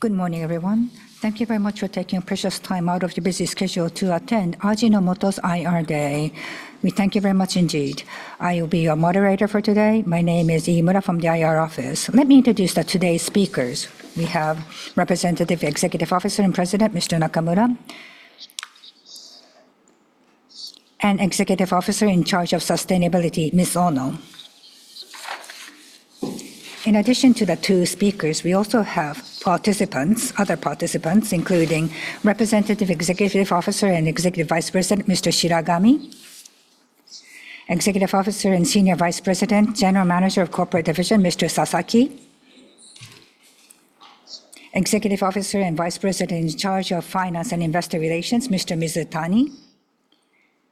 Good morning, everyone. Thank you very much for taking precious time out of your busy schedule to attend Ajinomoto's IR Day. We thank you very much indeed. I will be your moderator for today. My name is Iimura from the IR Office. Let me introduce today's speakers. We have Representative Executive Officer and President, Mr. Nakamura, and Executive Officer in charge of Sustainability, Ms. Ono. In addition to the two speakers, we also have participants, including Representative Executive Officer and Executive Vice President, Mr. Shiragami; Executive Officer and Senior Vice President, General Manager of Corporate Division, Mr. Sasaki; Executive Officer and Vice President in charge of Finance and Investor Relations, Mr. Mizutani;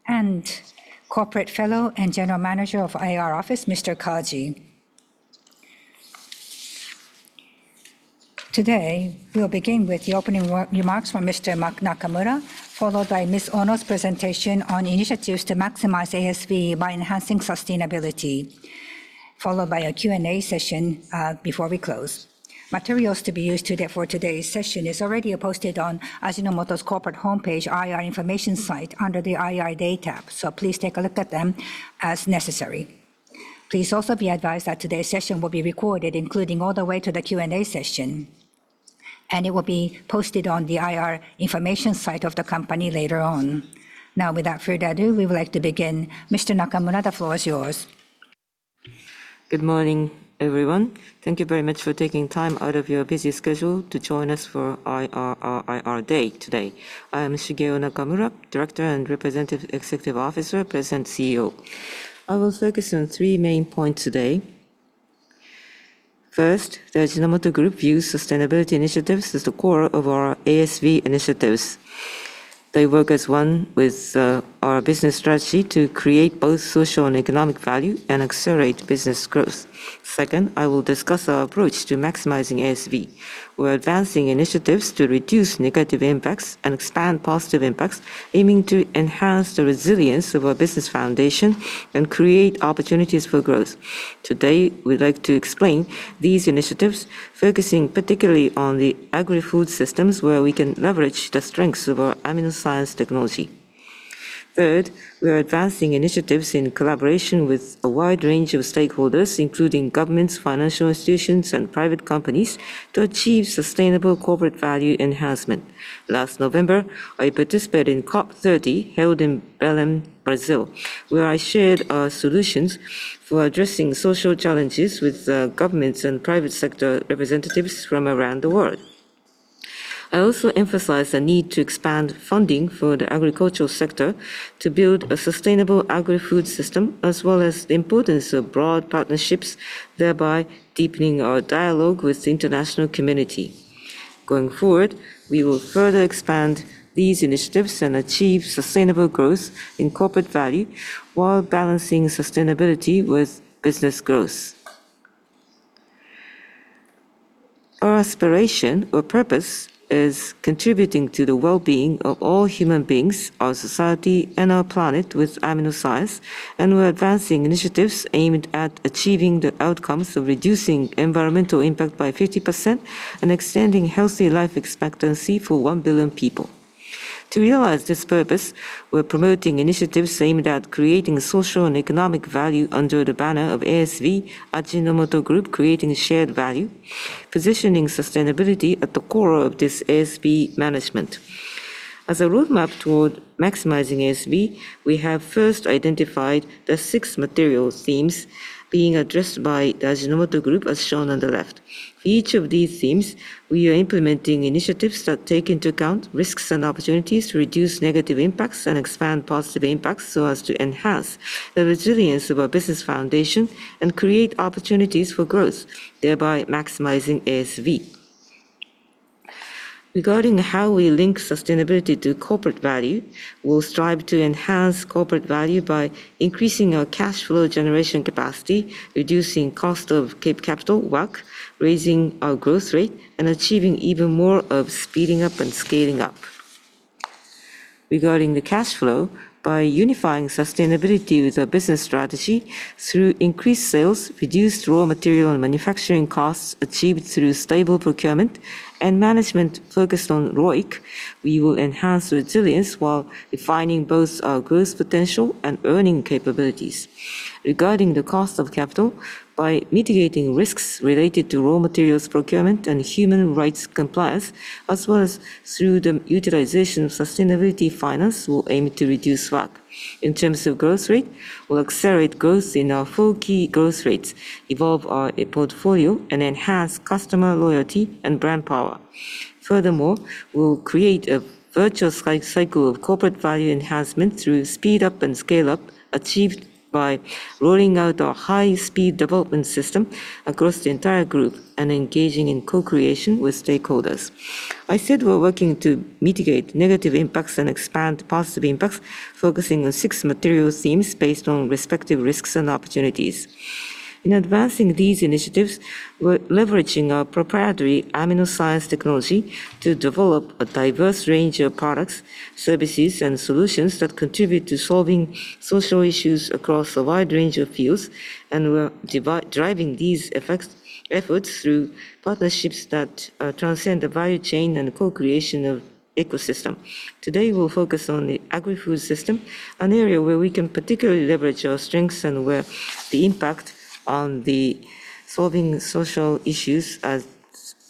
and Corporate Fellow and General Manager of IR Office, Mr. Kaji. Today, we'll begin with the opening remarks from Mr. Nakamura, followed by Ms.Ono's presentation on initiatives to maximize ASV by enhancing sustainability, followed by a Q&A session, before we close. Materials to be used for today's session is already posted on Ajinomoto's corporate homepage IR information site under the IR Data so please take a look at them as necessary. Please also be advised that today's session will be recorded, including all the way to the Q&A session, and it will be posted on the IR information site of the company later on. Now, without further ado, we would like to begin. Mr. Nakamura, the floor is yours. Good morning, everyone. Thank you very much for taking time out of your busy schedule to join us for IR Day today. I am Shigeo Nakamura, Director, Representative Executive Officer, President and Chief Executive Officer. I will focus on three main points today. First, the Ajinomoto Group views sustainability initiatives as the core of our ASV initiatives. They work as one with our business strategy to create both social and economic value and accelerate business growth. Second, I will discuss our approach to maximizing ASV. We're advancing initiatives to reduce negative impacts and expand positive impacts, aiming to enhance the resilience of our business foundation and create opportunities for growth. Today, we'd like to explain these initiatives, focusing particularly on the agri-food systems, where we can leverage the strengths of our AminoScience Technology. Third, we are advancing initiatives in collaboration with a wide range of stakeholders, including governments, financial institutions, and private companies, to achieve sustainable corporate value enhancement. Last November, I participated in COP 30, held in Belém, Brazil, where I shared our solutions for addressing social challenges with governments and private sector representatives from around the world. I also emphasized the need to expand funding for the agricultural sector to build a sustainable agri-food system as well as the importance of broad partnerships, thereby deepening our dialogue with the international community. Going forward, we will further expand these initiatives and achieve sustainable growth in corporate value while balancing sustainability with business growth. Our aspiration or purpose is contributing to the well-being of all human beings, our society, and our planet with AminoScience, and we're advancing initiatives aimed at achieving the outcomes of reducing environmental impact by 50% and extending healthy life expectancy for 1 billion people. To realize this purpose, we're promoting initiatives aimed at creating social and economic value under the banner of ASV, Ajinomoto Group Creating Shared Value, positioning sustainability at the core of this ASV management. As a roadmap toward maximizing ASV, we have first identified the six material themes being addressed by the Ajinomoto Group, as shown on the left. Each of these themes, we are implementing initiatives that take into account risks and opportunities to reduce negative impacts and expand positive impacts so as to enhance the resilience of our business foundation and create opportunities for growth, thereby maximizing ASV. Regarding how we link sustainability to corporate value, we'll strive to enhance corporate value by increasing our cash flow generation capacity, reducing cost of capital, WACC, raising our growth rate, and achieving even more of speeding up and scaling up. Regarding the cash flow, by unifying sustainability with our business strategy through increased sales, reduced raw material and manufacturing costs achieved through stable procurement, and management focused on ROIC, we will enhance resilience while refining both our growth potential and earning capabilities. Regarding the cost of capital, by mitigating risks related to raw materials procurement and human rights compliance, as well as through the utilization of sustainability finance, we'll aim to reduce WACC. In terms of growth rate, we'll accelerate growth in our four key growth rates, evolve our portfolio, and enhance customer loyalty and brand power. Furthermore, we'll create a virtuous cycle of corporate value enhancement through speed up and scale up, achieved by rolling out our high-speed development system across the entire group and engaging in co-creation with stakeholders. I said we're working to mitigate negative impacts and expand positive impacts, focusing on six material themes based on respective risks and opportunities. In advancing these initiatives, we're leveraging our proprietary AminoScience Technology to develop a diverse range of products, services, and solutions that contribute to solving social issues across a wide range of fields. We're driving these efforts through partnerships that transcend the value chain and co-creation of ecosystem. Today, we'll focus on the agri-food system, an area where we can particularly leverage our strengths and where the impact on solving social issues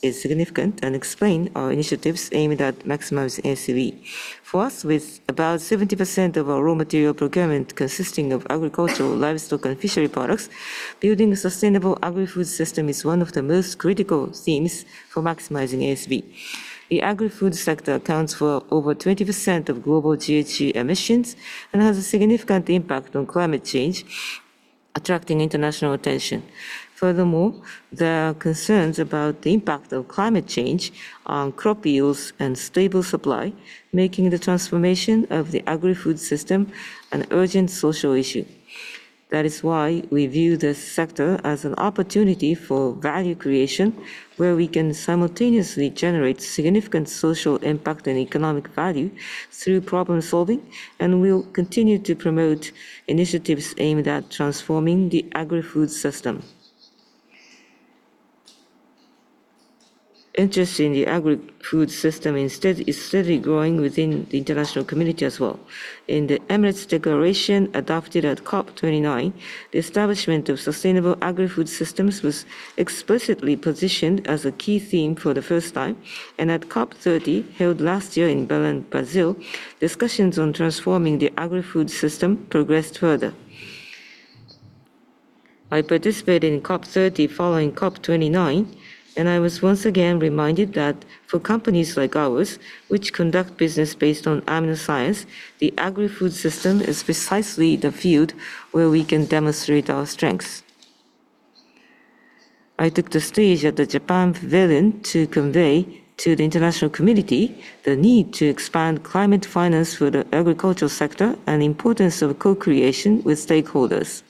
is significant, and explain our initiatives aimed at maximizing ASV. For us, with about 70% of our raw material procurement consisting of agricultural livestock and fishery products, building a sustainable agri-food system is one of the most critical themes for maximizing ASV. The agri-food sector accounts for over 20% of global GHG emissions and has a significant impact on climate change, attracting international attention. Furthermore, there are concerns about the impact of climate change on crop yields and stable supply, making the transformation of the agri-food system an urgent social issue. That is why we view this sector as an opportunity for value creation, where we can simultaneously generate significant social impact and economic value through problem-solving. We'll continue to promote initiatives aimed at transforming the agri-food system. Interest in the agri-food system instead is steadily growing within the international community as well. In the Emirates Declaration adopted at COP 29, the establishment of sustainable agri-food systems was explicitly positioned as a key theme for the first time. At COP 30, held last year in Belém, Brazil, discussions on transforming the agri-food system progressed further. I participated in COP 30 following COP 29, and I was once again reminded that for companies like ours, which conduct business based on AminoScience, the agri-food system is precisely the field where we can demonstrate our strengths. I took the stage at the Japan Pavilion to convey to the international community the need to expand climate finance for the agricultural sector and the importance of co-creation with stakeholders.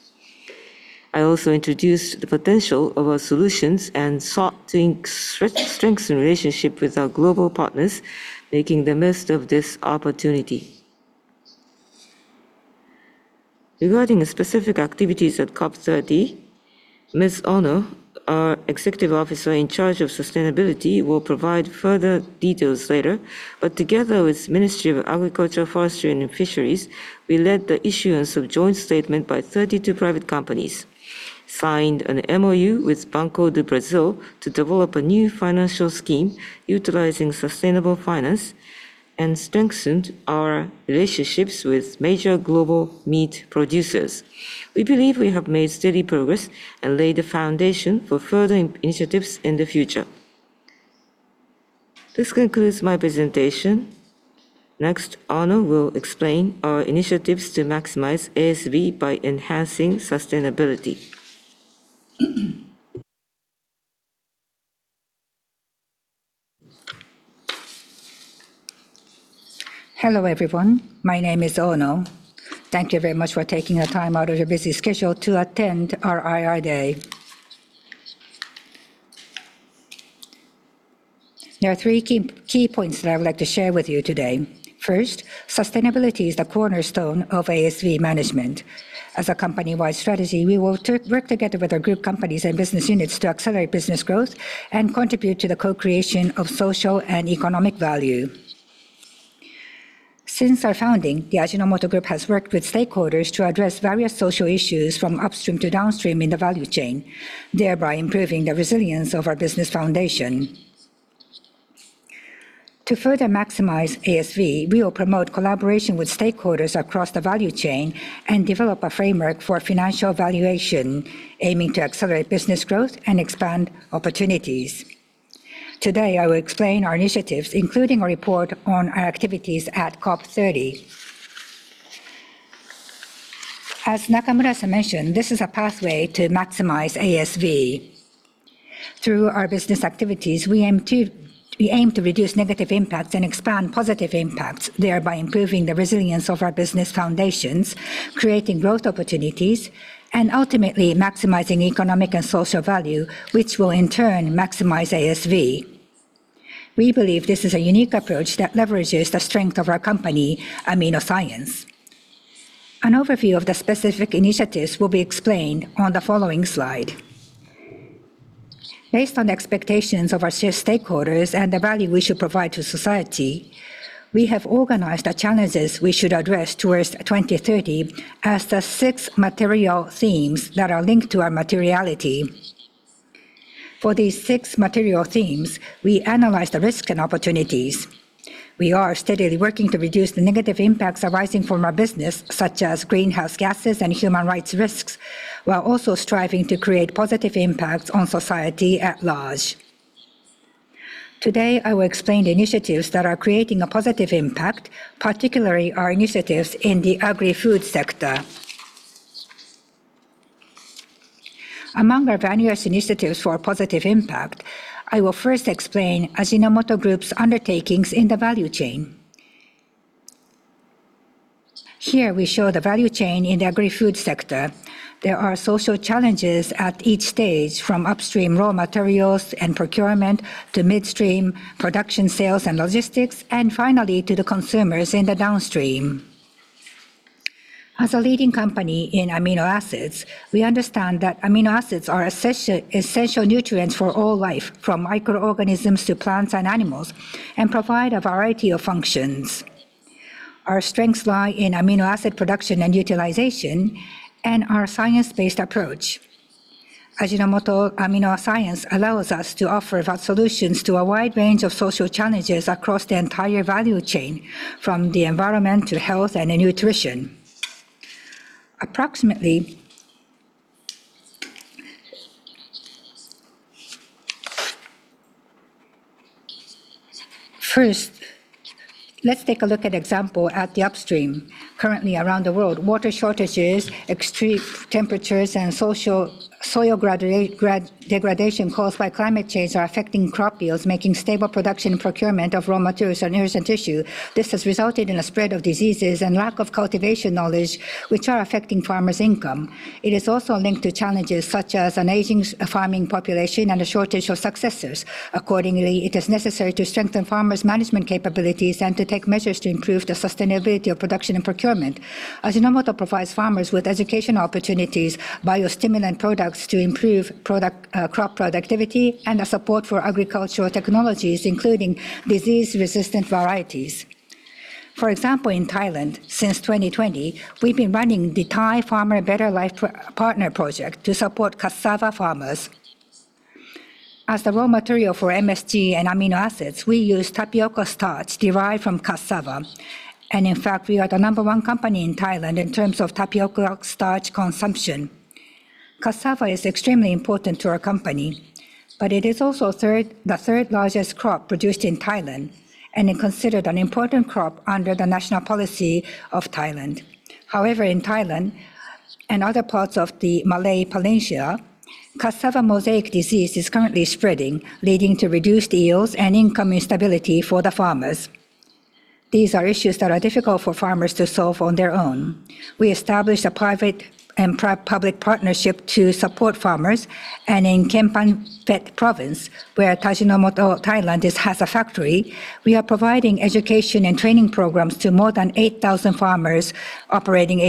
I also introduced the potential of our solutions and sought to strengthen relationship with our global partners, making the most of this opportunity. Regarding the specific activities at COP 30, Ms. Ono, our Executive Officer in charge of sustainability, will provide further details later. Together with Ministry of Agriculture, Forestry and Fisheries, we led the issuance of joint statement by 32 private companies, signed an MOU with Banco do Brasil to develop a new financial scheme utilizing sustainable finance, and strengthened our relationships with major global meat producers. We believe we have made steady progress and laid the foundation for further initiatives in the future. This concludes my presentation. Next, Ono will explain our initiatives to maximize ASV by enhancing sustainability. Hello, everyone. My name is Ono. Thank you very much for taking the time out of your busy schedule to attend our IR Day. There are three key points that I would like to share with you today. First, sustainability is the cornerstone of ASV management. As a company-wide strategy, we will work together with our group companies and business units to accelerate business growth and contribute to the co-creation of social and economic value. Since our founding, the Ajinomoto Group has worked with stakeholders to address various social issues from upstream to downstream in the value chain, thereby improving the resilience of our business foundation. To further maximize ASV, we will promote collaboration with stakeholders across the value chain and develop a framework for financial valuation, aiming to accelerate business growth and expand opportunities. Today, I will explain our initiatives including a report on our activities at COP 30. As Nakamura mentioned, this is a pathway to maximize ASV. Through our business activities, we aim to reduce negative impacts and expand positive impacts, thereby improving the resilience of our business foundations creating growth opportunities, and ultimately maximizing economic and social value, which will in turn maximize ASV. We believe this is a unique approach that leverages the strength of our company, AminoScience. An overview of the specific initiatives will be explained on the following slide. Based on the expectations of our stakeholders and the value we should provide to society, we have organized the challenges we should address towards 2030 as the six material themes that are linked to our materiality. For these six material themes, we analyze the risks and opportunities. We are steadily working to reduce the negative impacts arising from our business, such as greenhouse gases and human rights risks, while also striving to create positive impacts on society at large. Today, I will explain the initiatives that are creating a positive impact particularly our initiatives in the agri-food sector. Among our various initiatives for a positive impact, I will first explain Ajinomoto Group's undertakings in the value chain. Here we show the value chain in the agri-food sector. There are social challenges at each stage, from upstream raw materials and procurement to midstream production, sales, and logistics, and finally to the consumers in the downstream. As a leading company in amino acids, we understand that amino acids are essential nutrients for all life, from microorganisms to plants and animals, and provide a variety of functions. Our strengths lie in amino acid production and utilization and our science-based approach. Ajinomoto AminoScience allows us to offer solutions to a wide range of social challenges across the entire value chain, from the environment to health and nutrition. First, let's take a look at an example at the upstream. Currently around the world, water shortages, extreme temperatures, and soil degradation caused by climate change are affecting crop yields, making stable production and procurement of raw materials a nascent issue. This has resulted in a spread of diseases and lack of cultivation knowledge, which are affecting farmers' income. It is also linked to challenges such as an aging farming population and a shortage of successors. Accordingly, it is necessary to strengthen farmers' management capabilities and to take measures to improve the sustainability of production and procurement. Ajinomoto provides farmers with educational opportunities, biostimulant products to improve crop productivity, and support for agricultural technologies, including disease-resistant varieties. For example in Thailand, since 2020, we've been running the Thai Farmer Better Life Partner project to support cassava farmers. As the raw material for MSG and amino acids, we use tapioca starch derived from cassava. In fact, we are the number one company in Thailand in terms of tapioca starch consumption. Cassava is extremely important to our company, but it is also the third-largest crop produced in Thailand and is considered an important crop under the national policy of Thailand. However, in Thailand and other parts of the Malay Peninsula, cassava mosaic disease is currently spreading, leading to reduced yields and income instability for the farmers. These are issues that are difficult for farmers to solve on their own. We established a private and public partnership to support farmers. In Khon Kaen province, where Ajinomoto Thailand has a factory, we are providing education and training programs to more than 8,000 farmers operating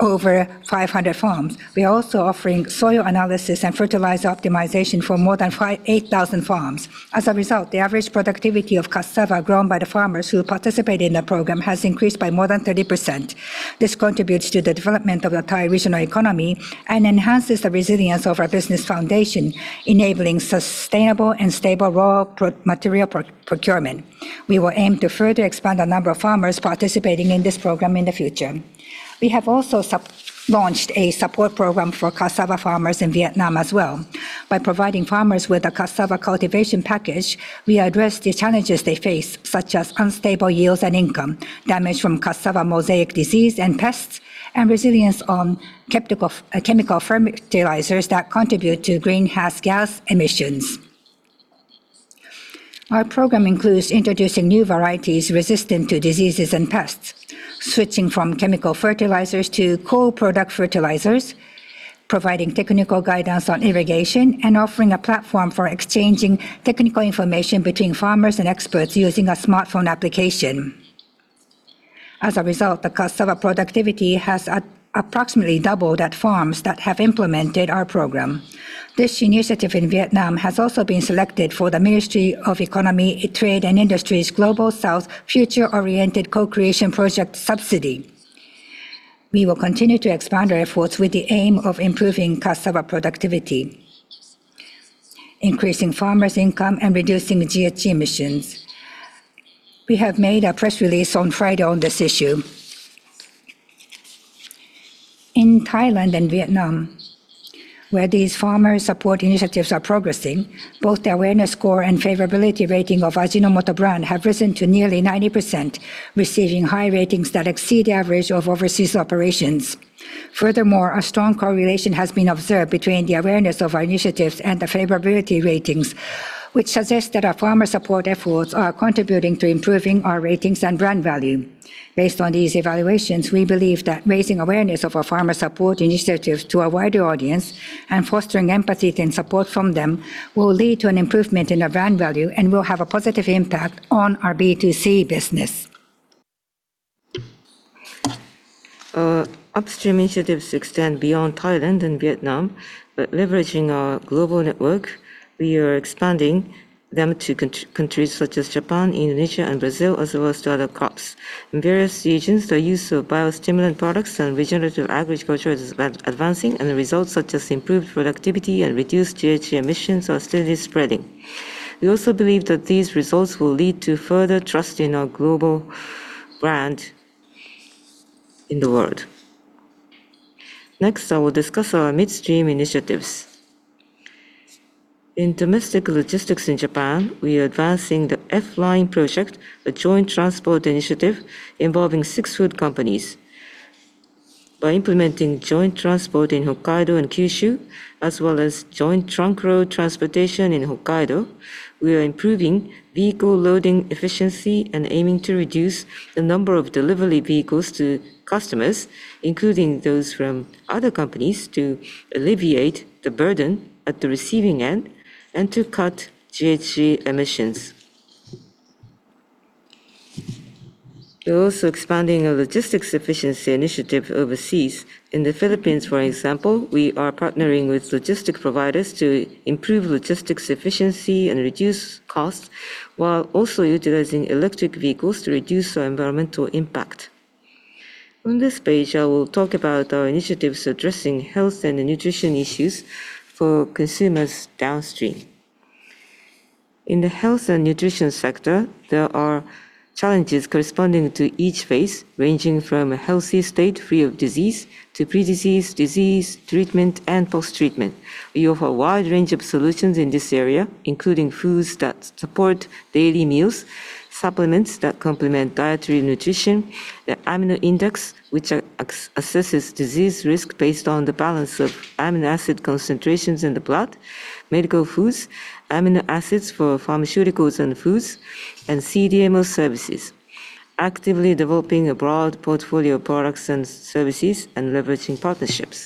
over 500 farms. We are also offering soil analysis and fertilizer optimization for more than 8,000 farms. As a result the average productivity of cassava grown by the farmers who participate in the program has increased by more than 30%. This contributes to the development of the Thai regional economy and enhances the resilience of our business foundation, enabling sustainable and stable raw material procurement. We will aim to further expand the number of farmers participating in this program in the future. We have also launched a support program for cassava farmers in Vietnam as well. By providing farmers with a cassava cultivation package, we address the challenges they face such as unstable yields and income, damage from cassava mosaic disease and pests, and reliance on chemical fertilizers that contribute to greenhouse gas emissions. Our program includes introducing new varieties resistant to diseases and pests, switching from chemical fertilizers to co-product fertilizers, providing technical guidance on irrigation, and offering a platform for exchanging technical information between farmers and experts using a smartphone application. As a result, the cassava productivity has approximately doubled at farms that have implemented our program. This initiative in Vietnam has also been selected for the Ministry of Economy, Trade, and Industry's Global South Future-Oriented Co-creation Project subsidy. We will continue to expand our efforts with the aim of improving cassava productivity, increasing farmers' income, and reducing GHG emissions. We have made a press release on Friday on this issue. In Thailand and Vietnam, where these farmer support initiatives are progressing, both the awareness score and favorability rating of Ajinomoto brand have risen to nearly 90%, receiving high ratings that exceed the average of overseas operations. Furthermore, a strong correlation has been observed between the awareness of our initiatives and the favorability ratings, which suggests that our farmer support efforts are contributing to improving our ratings and brand value. Based on these evaluations, we believe that raising awareness of our farmer support initiatives to a wider audience and fostering empathy and support from them will lead to an improvement in our brand value and will have a positive impact on our B2C business. Upstream initiatives extend beyond Thailand and Vietnam, but leveraging our global network, we are expanding them to countries such as Japan, Indonesia, and Brazil, as well as to other crops. In various regions, the use of biostimulant products and regenerative agriculture is advancing, and the results, such as improved productivity and reduced GHG emissions, are steadily spreading. We also believe that these results will lead to further trust in our global brand in the world. Next, I will discuss our midstream initiatives. In domestic logistics in Japan, we are advancing the F-LINE project, a joint transport initiative involving six food companies. By implementing joint transport in Hokkaido and Kyushu, as well as joint trunk road transportation in Hokkaido, we are improving vehicle loading efficiency and aiming to reduce the number of delivery vehicles to customers, including those from other companies, to alleviate the burden at the receiving end and to cut GHG emissions. We're also expanding our logistics efficiency initiative overseas. In the Philippines, for example, we are partnering with logistics providers to improve logistics efficiency and reduce costs, while also utilizing electric vehicles to reduce our environmental impact. On this page, I will talk about our initiatives addressing health and nutrition issues for consumers downstream. In the health and nutrition sector, there are challenges corresponding to each phase, ranging from a healthy state free of disease to pre-disease, disease, treatment, and post-treatment. We offer a wide range of solutions in this area, including foods that support daily meals, supplements that complement dietary nutrition, the AminoIndex, which assesses disease risk based on the balance of amino acid concentrations in the blood, medical foods, amino acids for pharmaceuticals and foods, and CDMO services, actively developing a broad portfolio of products and services and leveraging partnerships.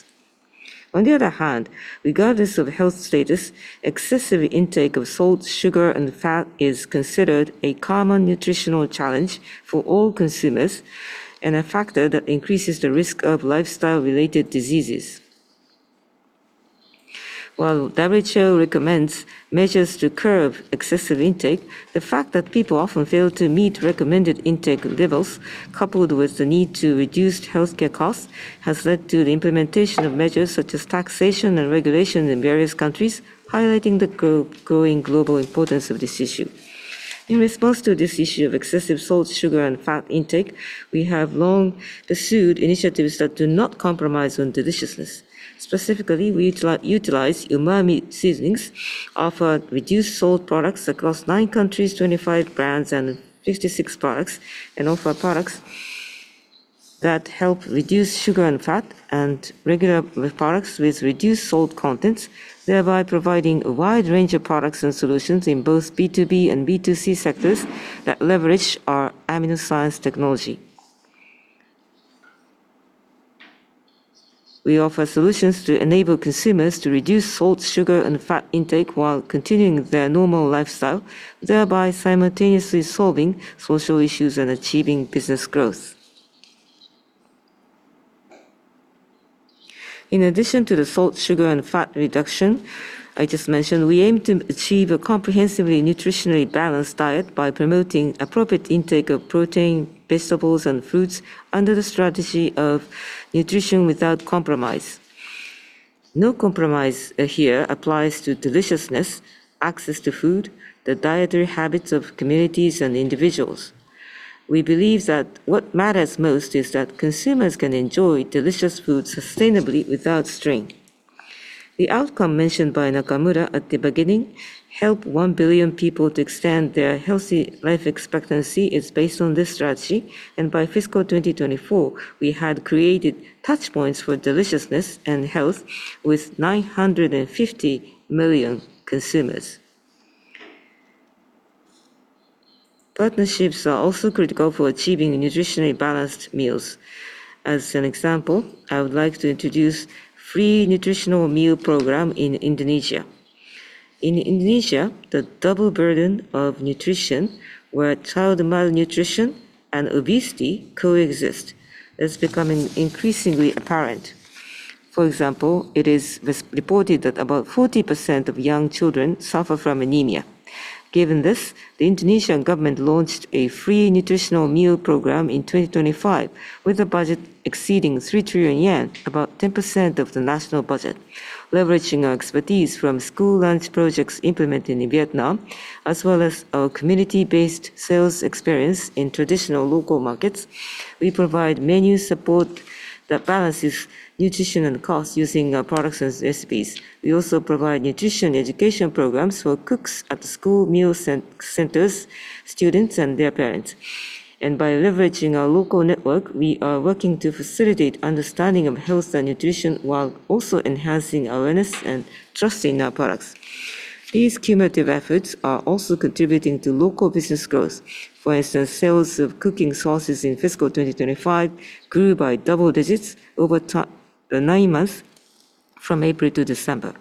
On the other hand, regardless of health status, excessive intake of salt, sugar, and fat is considered a common nutritional challenge for all consumers and a factor that increases the risk of lifestyle-related diseases. While WHO recommends measures to curb excessive intake, the fact that people often fail to meet recommended intake levels, coupled with the need to reduce healthcare costs, has led to the implementation of measures such as taxation and regulation in various countries, highlighting the growing global importance of this issue. In response to this issue of excessive salt, sugar, and fat intake, we have long pursued initiatives that do not compromise on deliciousness. Specifically, we utilize umami seasonings, offer reduced salt products across nine countries, 25 brands, and 56 products, and offer products that help reduce sugar and fat and regular products with reduced salt content, thereby providing a wide range of products and solutions in both B2B and B2C sectors that leverage our AminoScience Technology. We offer solutions to enable consumers to reduce salt, sugar, and fat intake while continuing their normal lifestyle, thereby simultaneously solving social issues and achieving business growth. In addition to the salt, sugar, and fat reduction I just mentioned, we aim to achieve a comprehensively nutritionally balanced diet by promoting appropriate intake of protein, vegetables, and fruits under the strategy of Nutrition Without Compromise. No compromise here applies to deliciousness, access to food, the dietary habits of communities and individuals. We believe that what matters most is that consumers can enjoy delicious food sustainably without strain. The outcome mentioned by Nakamura at the beginning, help 1 billion people to extend their healthy life expectancy, is based on this strategy. By fiscal 2024, we had created touchpoints for deliciousness and health with 950 million consumers. Partnerships are also critical for achieving nutritionally balanced meals. As an example, I would like to introduce free nutritional meal program in Indonesia. In Indonesia, the double burden of nutrition, where child malnutrition and obesity coexist, is becoming increasingly apparent. For example, it is reported that about 40% of young children suffer from anemia. Given this, the Indonesian government launched a free nutritional meal program in 2025, with a budget exceeding 3 trillion yen, about 10% of the national budget. Leveraging our expertise from school lunch projects implemented in Vietnam, as well as our community-based sales experience in traditional local markets, we provide menu support that balances nutrition and cost using our products and recipes. We also provide nutrition education programs for cooks at school meal centers, students, and their parents. By leveraging our local network, we are working to facilitate understanding of health and nutrition while also enhancing awareness and trust in our products. These cumulative efforts are also contributing to local business growth. For instance, sales of cooking sauces in fiscal 2025 grew by double digits over the nine months from April to December.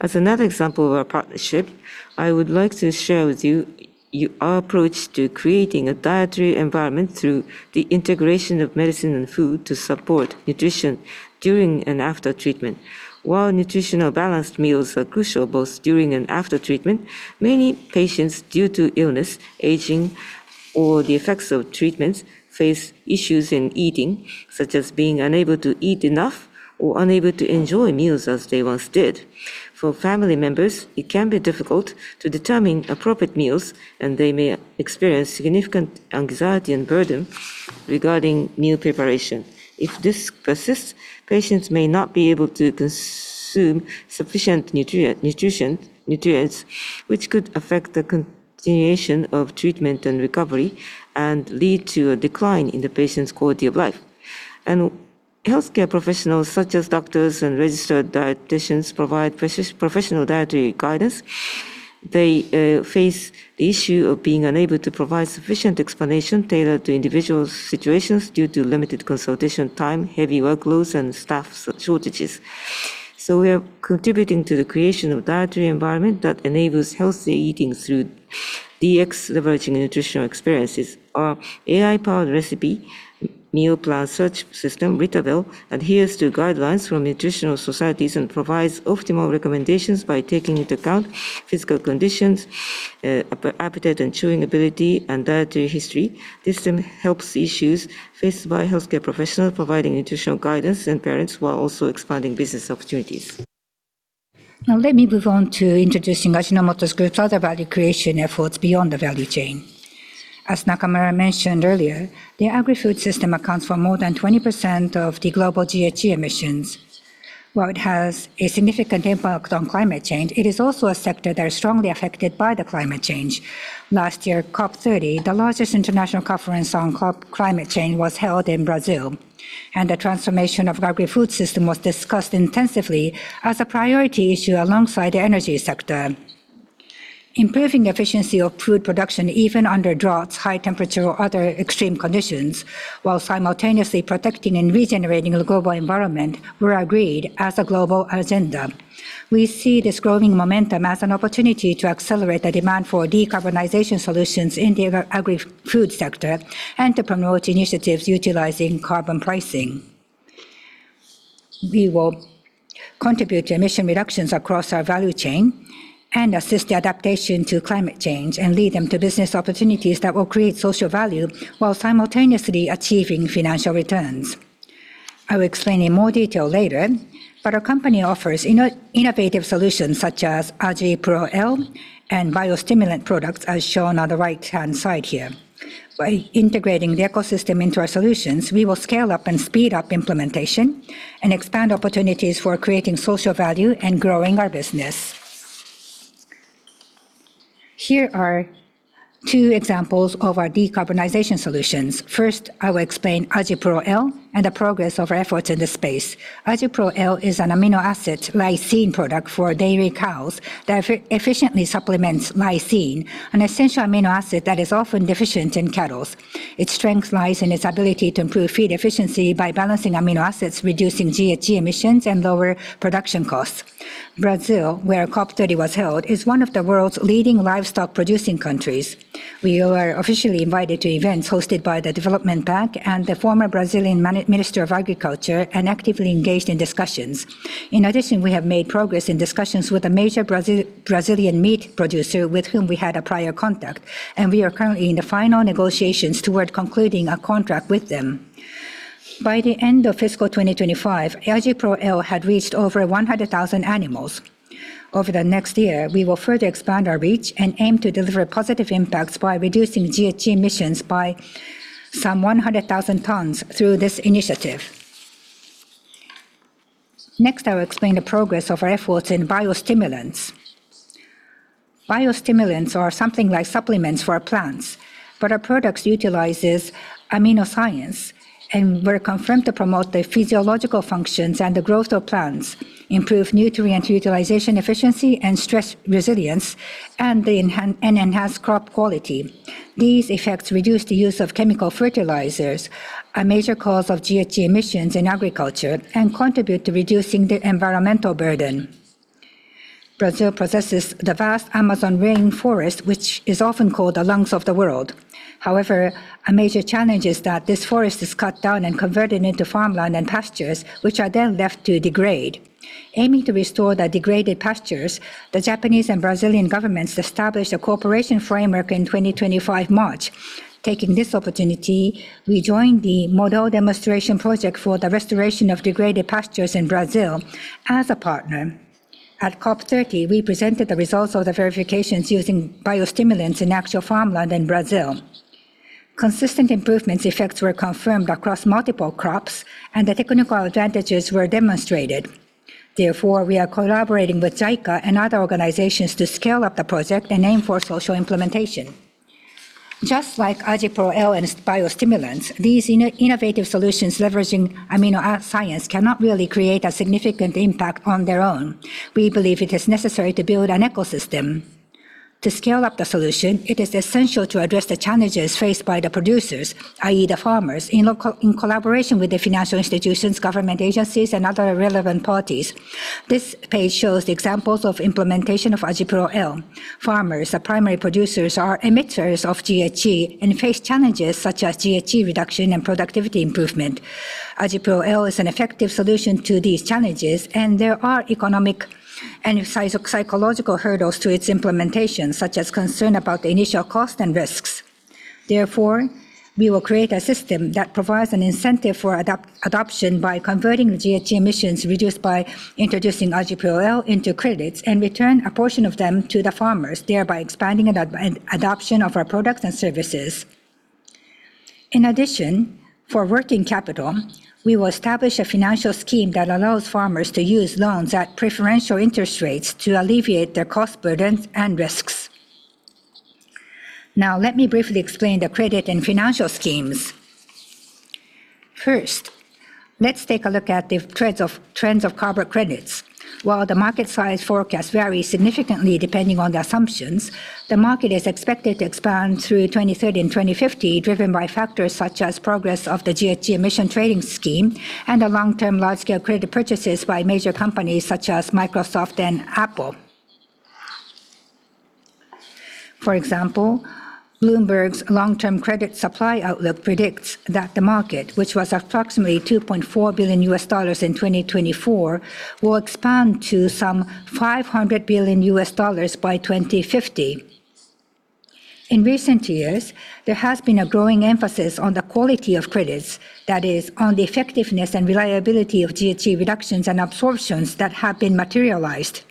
As another example of our partnership, I would like to share with you our approach to creating a dietary environment through the integration of medicine and food to support nutrition during and after treatment. While nutritionally balanced meals are crucial both during and after treatment, many patients, due to illness, aging, or the effects of treatments, face issues in eating, such as being unable to eat enough or unable to enjoy meals as they once did. For family members, it can be difficult to determine appropriate meals, and they may experience significant anxiety and burden regarding meal preparation. If this persists, patients may not be able to consume sufficient nutrients, which could affect the. Continuation of treatment and recovery and lead to a decline in the patient's quality of life. Healthcare professionals such as doctors and registered dieticians provide professional dietary guidance. They face the issue of being unable to provide sufficient explanation tailored to individuals' situations due to limited consultation time, heavy workloads, and staff shortages. We are contributing to the creation of dietary environment that enables healthy eating through DX, leveraging nutritional experiences. Our AI-powered recipe, meal plan search system, Retable, adheres to guidelines from nutritional societies and provides optimal recommendations by taking into account physical conditions, appetite and chewing ability, and dietary history. This then helps issues faced by healthcare professionals providing nutritional guidance and parents while also expanding business opportunities. Now let me move on to introducing Ajinomoto Group's further value creation efforts beyond the value chain. As Nakamura mentioned earlier, the agrifood system accounts for more than 20% of the global GHG emissions. While it has a significant impact on climate change, it is also a sector that is strongly affected by the climate change. Last year, COP 30, the largest international conference on climate change, was held in Brazil, and the transformation of agrifood system was discussed intensively as a priority issue alongside the energy sector. Improving efficiency of food production even under droughts, high temperature, or other extreme conditions, while simultaneously protecting and regenerating the global environment were agreed as a global agenda. We see this growing momentum as an opportunity to accelerate the demand for decarbonization solutions in the agrifood sector and to promote initiatives utilizing carbon pricing. We will contribute to emission reductions across our value chain and assist the adaptation to climate change and lead them to business opportunities that will create social value while simultaneously achieving financial returns. I will explain in more detail later, but our company offers innovative solutions such as AjiPro-L and biostimulant products, as shown on the right-hand side here. By integrating the ecosystem into our solutions, we will scale up and speed up implementation and expand opportunities for creating social value and growing our business. Here are two examples of our decarbonization solutions. First, I will explain AjiPro-L and the progress of our efforts in this space. AjiPro-L is an amino acid lysine product for dairy cows that efficiently supplements lysine, an essential amino acid that is often deficient in cattle. Its strength lies in its ability to improve feed efficiency by balancing amino acids, reducing GHG emissions, and lower production costs. Brazil, where COP 30 was held, is one of the world's leading livestock producing countries. We were officially invited to events hosted by the BNDES and the former Brazilian Minister of Agriculture and actively engaged in discussions. In addition, we have made progress in discussions with a major Brazilian meat producer with whom we had a prior contact, and we are currently in the final negotiations toward concluding a contract with them. By the end of fiscal 2025, AjiPro-L had reached over 100,000 animals. Over the next year, we will further expand our reach and aim to deliver positive impacts by reducing GHG emissions by some 100,000 tons through this initiative. Next, I will explain the progress of our efforts in biostimulants. Biostimulants are something like supplements for our plants, but our products utilizes AminoScience and were confirmed to promote the physiological functions and the growth of plants, improve nutrient utilization efficiency and stress resilience, and they enhance crop quality. These effects reduce the use of chemical fertilizers, a major cause of GHG emissions in agriculture, and contribute to reducing the environmental burden. Brazil possesses the vast Amazon rainforest, which is often called the lungs of the world. However, a major challenge is that this forest is cut down and converted into farmland and pastures, which are then left to degrade. Aiming to restore the degraded pastures, the Japanese and Brazilian governments established a cooperation framework in March 2025. Taking this opportunity, we joined the Model Demonstration Project for the Restoration of Degraded Pastures in Brazil as a partner. At COP 30, we presented the results of the verifications using biostimulants in actual farmland in Brazil. Consistent improvements effects were confirmed across multiple crops, and the technical advantages were demonstrated. Therefore, we are collaborating with JICA and other organizations to scale up the project and aim for social implementation. Just like AjiPro-L and its biostimulants, these innovative solutions leveraging AminoScience cannot really create a significant impact on their own. We believe it is necessary to build an ecosystem. To scale up the solution it is essential to address the challenges faced by the producers, i.e., the farmers, in collaboration with the financial institutions, government agencies, and other relevant parties. This page shows the examples of implementation of AjiPro-L. Farmers, the primary producers, are emitters of GHG and face challenges such as GHG reduction and productivity improvement. AjiPro-L is an effective solution to these challenges, and there are economic and psychological hurdles to its implementation, such as concern about the initial cost and risks. Therefore, we will create a system that provides an incentive for adoption by converting the GHG emissions reduced by introducing AjiPro-L into credits and return a portion of them to the farmers, thereby expanding adoption of our products and services. In addition, for working capital we will establish a financial scheme that allows farmers to use loans at preferential interest rates to alleviate their cost burdens and risks. Now let me briefly explain the credit and financial schemes. First, let's take a look at the trends of carbon credits. While the market size forecast varies significantly depending on the assumptions, the market is expected to expand through 2030 and 2050, driven by factors such as progress of the GHG emission trading scheme and the long-term large-scale credit purchases by major companies such as Microsoft and Apple. For example, Bloomberg's long-term credit supply outlook predicts that the market, which was approximately $2.4 billion in 2024, will expand to some $500 billion by 2050. In recent years, there has been a growing emphasis on the quality of credits, that is, on the effectiveness and reliability of GHG reductions and absorptions that have been materialized.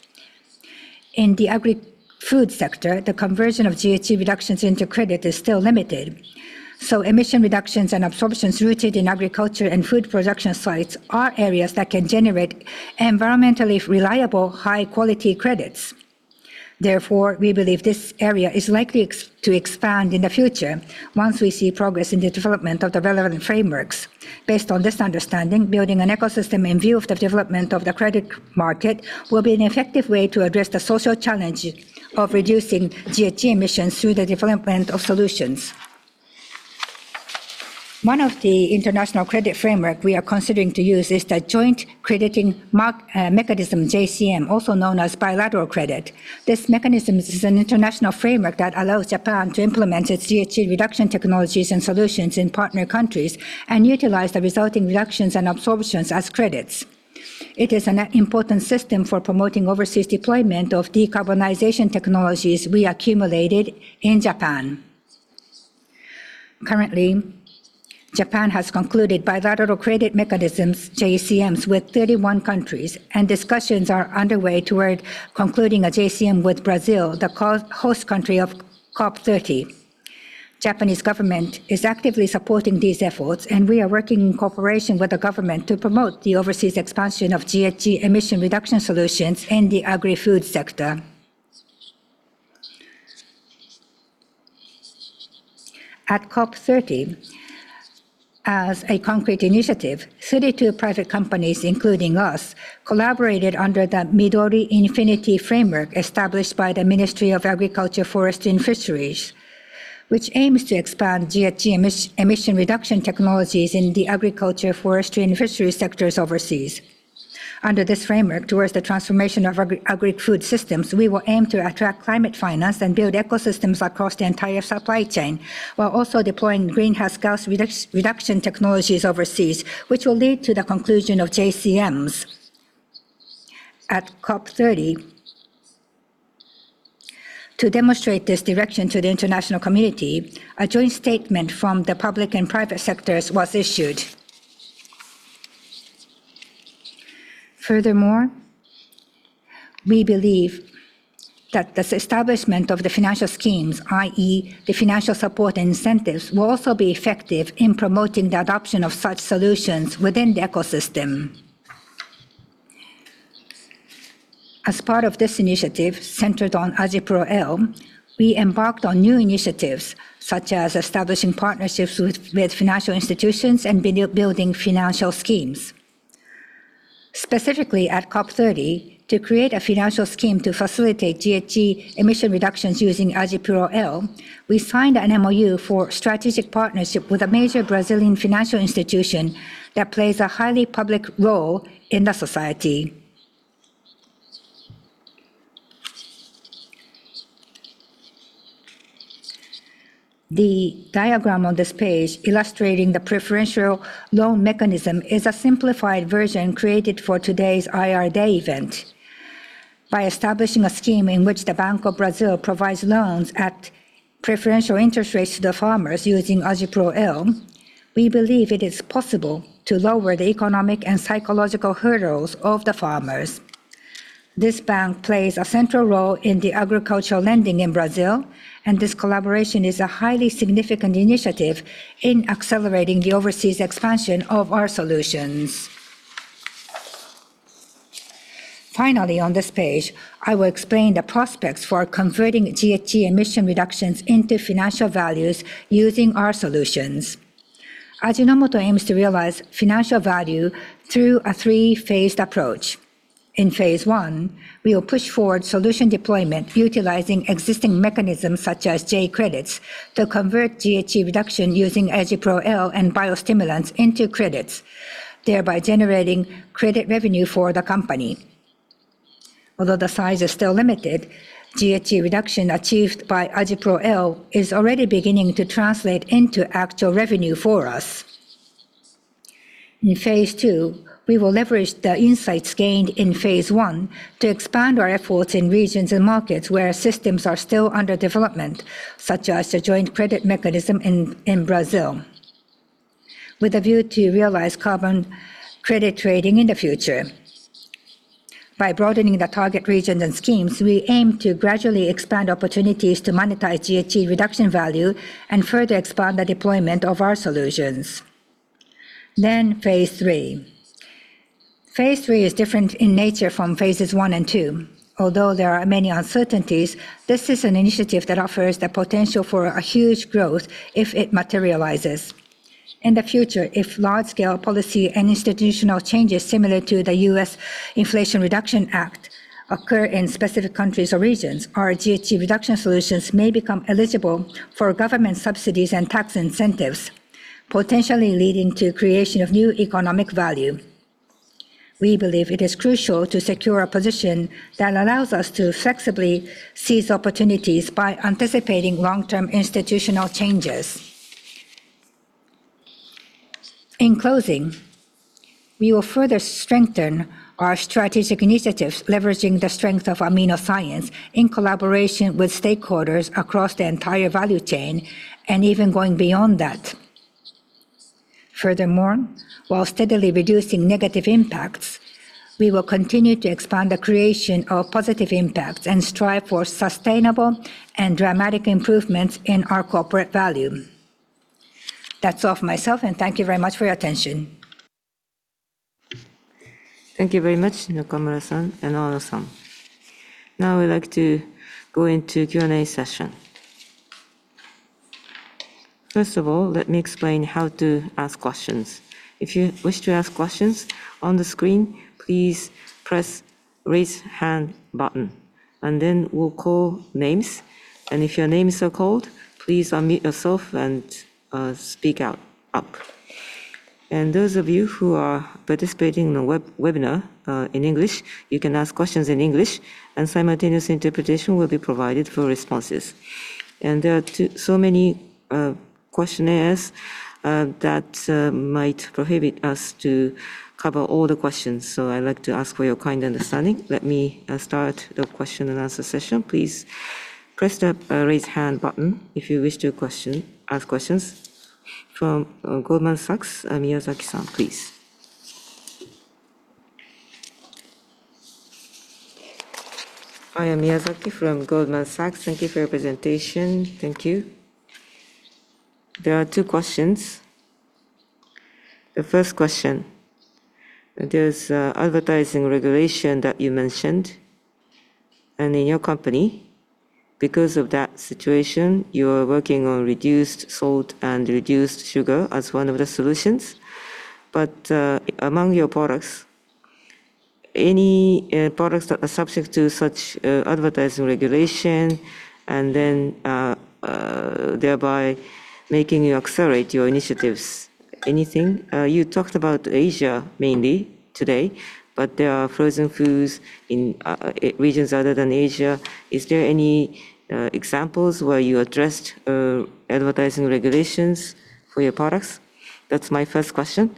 In the agri-food sector, the conversion of GHG reductions into credit is still limited, so emission reductions and absorptions rooted in agriculture and food production sites are areas that can generate environmentally reliable, high-quality credits. Therefore, we believe this area is likely to expand in the future once we see progress in the development of the relevant frameworks. Based on this understanding, building an ecosystem in view of the development of the credit market will be an effective way to address the social challenge of reducing GHG emissions through the development of solutions. One of the international credit framework we are considering to use is the Joint Crediting Mechanism, JCM, also known as bilateral credit. This mechanism is an international framework that allows Japan to implement its GHG reduction technologies and solutions in partner countries and utilize the resulting reductions and absorptions as credits. It is an important system for promoting overseas deployment of decarbonization technologies we accumulated in Japan. Currently, Japan has concluded bilateral credit mechanisms, JCMs, with 31 countries, and discussions are underway toward concluding a JCM with Brazil, the co-host country of COP 30. Japanese government is actively supporting these efforts, and we are working in cooperation with the government to promote the overseas expansion of GHG emission reduction solutions in the agri-food sector. At COP 30, as a concrete initiative, 32 private companies, including us, collaborated under the Midori Infinity framework established by the Ministry of Agriculture, Forestry and Fisheries, which aims to expand GHG emission reduction technologies in the agriculture, forestry, and fisheries sectors overseas. Under this framework, towards the transformation of agri-food systems, we will aim to attract climate finance and build ecosystems across the entire supply chain while also deploying greenhouse gas reduction technologies overseas, which will lead to the conclusion of JCMs. At COP 30, to demonstrate this direction to the international community, a joint statement from the public and private sectors was issued. Furthermore, we believe that this establishment of the financial schemes, i.e., the financial support and incentives, will also be effective in promoting the adoption of such solutions within the ecosystem. As part of this initiative centered on AjiPro-L, we embarked on new initiatives such as establishing partnerships with financial institutions and building financial schemes. Specifically at COP 30, to create a financial scheme to facilitate GHG emission reductions using AjiPro-L, we signed an MOU for strategic partnership with a major Brazilian financial institution that plays a highly public role in the society. The diagram on this page illustrating the preferential loan mechanism is a simplified version created for today's IR Day event. By establishing a scheme in which Banco do Brasil provides loans at preferential interest rates to the farmers using AjiPro-L, we believe it is possible to lower the economic and psychological hurdles of the farmers. This bank plays a central role in the agricultural lending in Brazil, and this collaboration is a highly significant initiative in accelerating the overseas expansion of our solutions. Finally, on this page, I will explain the prospects for converting GHG emission reductions into financial values using our solutions. Ajinomoto aims to realize financial value through a three-phased approach. In phase I, we will push forward solution deployment utilizing existing mechanisms such as J-Credits to convert GHG reduction using AjiPro-L and biostimulants into credits, thereby generating credit revenue for the company. Although the size is still limited, GHG reduction achieved by AjiPro-L is already beginning to translate into actual revenue for us. In phase II, we will leverage the insights gained in phase I to expand our efforts in regions and markets where systems are still under development, such as the JCM in Brazil, with a view to realize carbon credit trading in the future. By broadening the target regions and schemes, we aim to gradually expand opportunities to monetize GHG reduction value and further expand the deployment of our solutions. phase III. phase III is different in nature from phases I and II. Although there are many uncertainties, this is an initiative that offers the potential for a huge growth if it materializes. In the future, if large-scale policy and institutional changes similar to the U.S. Inflation Reduction Act occur in specific countries or regions, our GHG reduction solutions may become eligible for government subsidies and tax incentives, potentially leading to creation of new economic value. We believe it is crucial to secure a position that allows us to flexibly seize opportunities by anticipating long-term institutional changes. In closing, we will further strengthen our strategic initiatives, leveraging the strength of AminoScience in collaboration with stakeholders across the entire value chain and even going beyond that. Furthermore, while steadily reducing negative impacts, we will continue to expand the creation of positive impacts and strive for sustainable and dramatic improvements in our corporate value. That's all for myself, and thank you very much for your attention. Thank you very much, Nakamura-san and Ono-san. Now I would like to go into Q&A session. First of all, let me explain how to ask questions. If you wish to ask questions on the screen, please press "Raise Hand" button, and then we'll call names. If your name is called, please unmute yourself and speak up. Those of you who are participating in the webinar in English, you can ask questions in English and simultaneous interpretation will be provided for responses. There are so many questions that might prohibit us to cover all the questions, so I'd like to ask for your kind understanding. Let me start the question and answer session. Please press the "Raise Hand" button if you wish to ask questions. From Goldman Sachs, Miyazaki-san, please. I am Miyazaki from Goldman Sachs. Thank you for your presentation. Thank you. There are two questions. The first question, there's advertising regulation that you mentioned. In your company, because of that situation, you are working on reduced salt and reduced sugar as one of the solutions. Among your products, any products that are subject to such advertising regulation and then thereby making you accelerate your initiatives? Anything? You talked about Asia mainly today, but there are frozen foods in regions other than Asia. Is there any examples where you addressed advertising regulations for your products? That's my first question.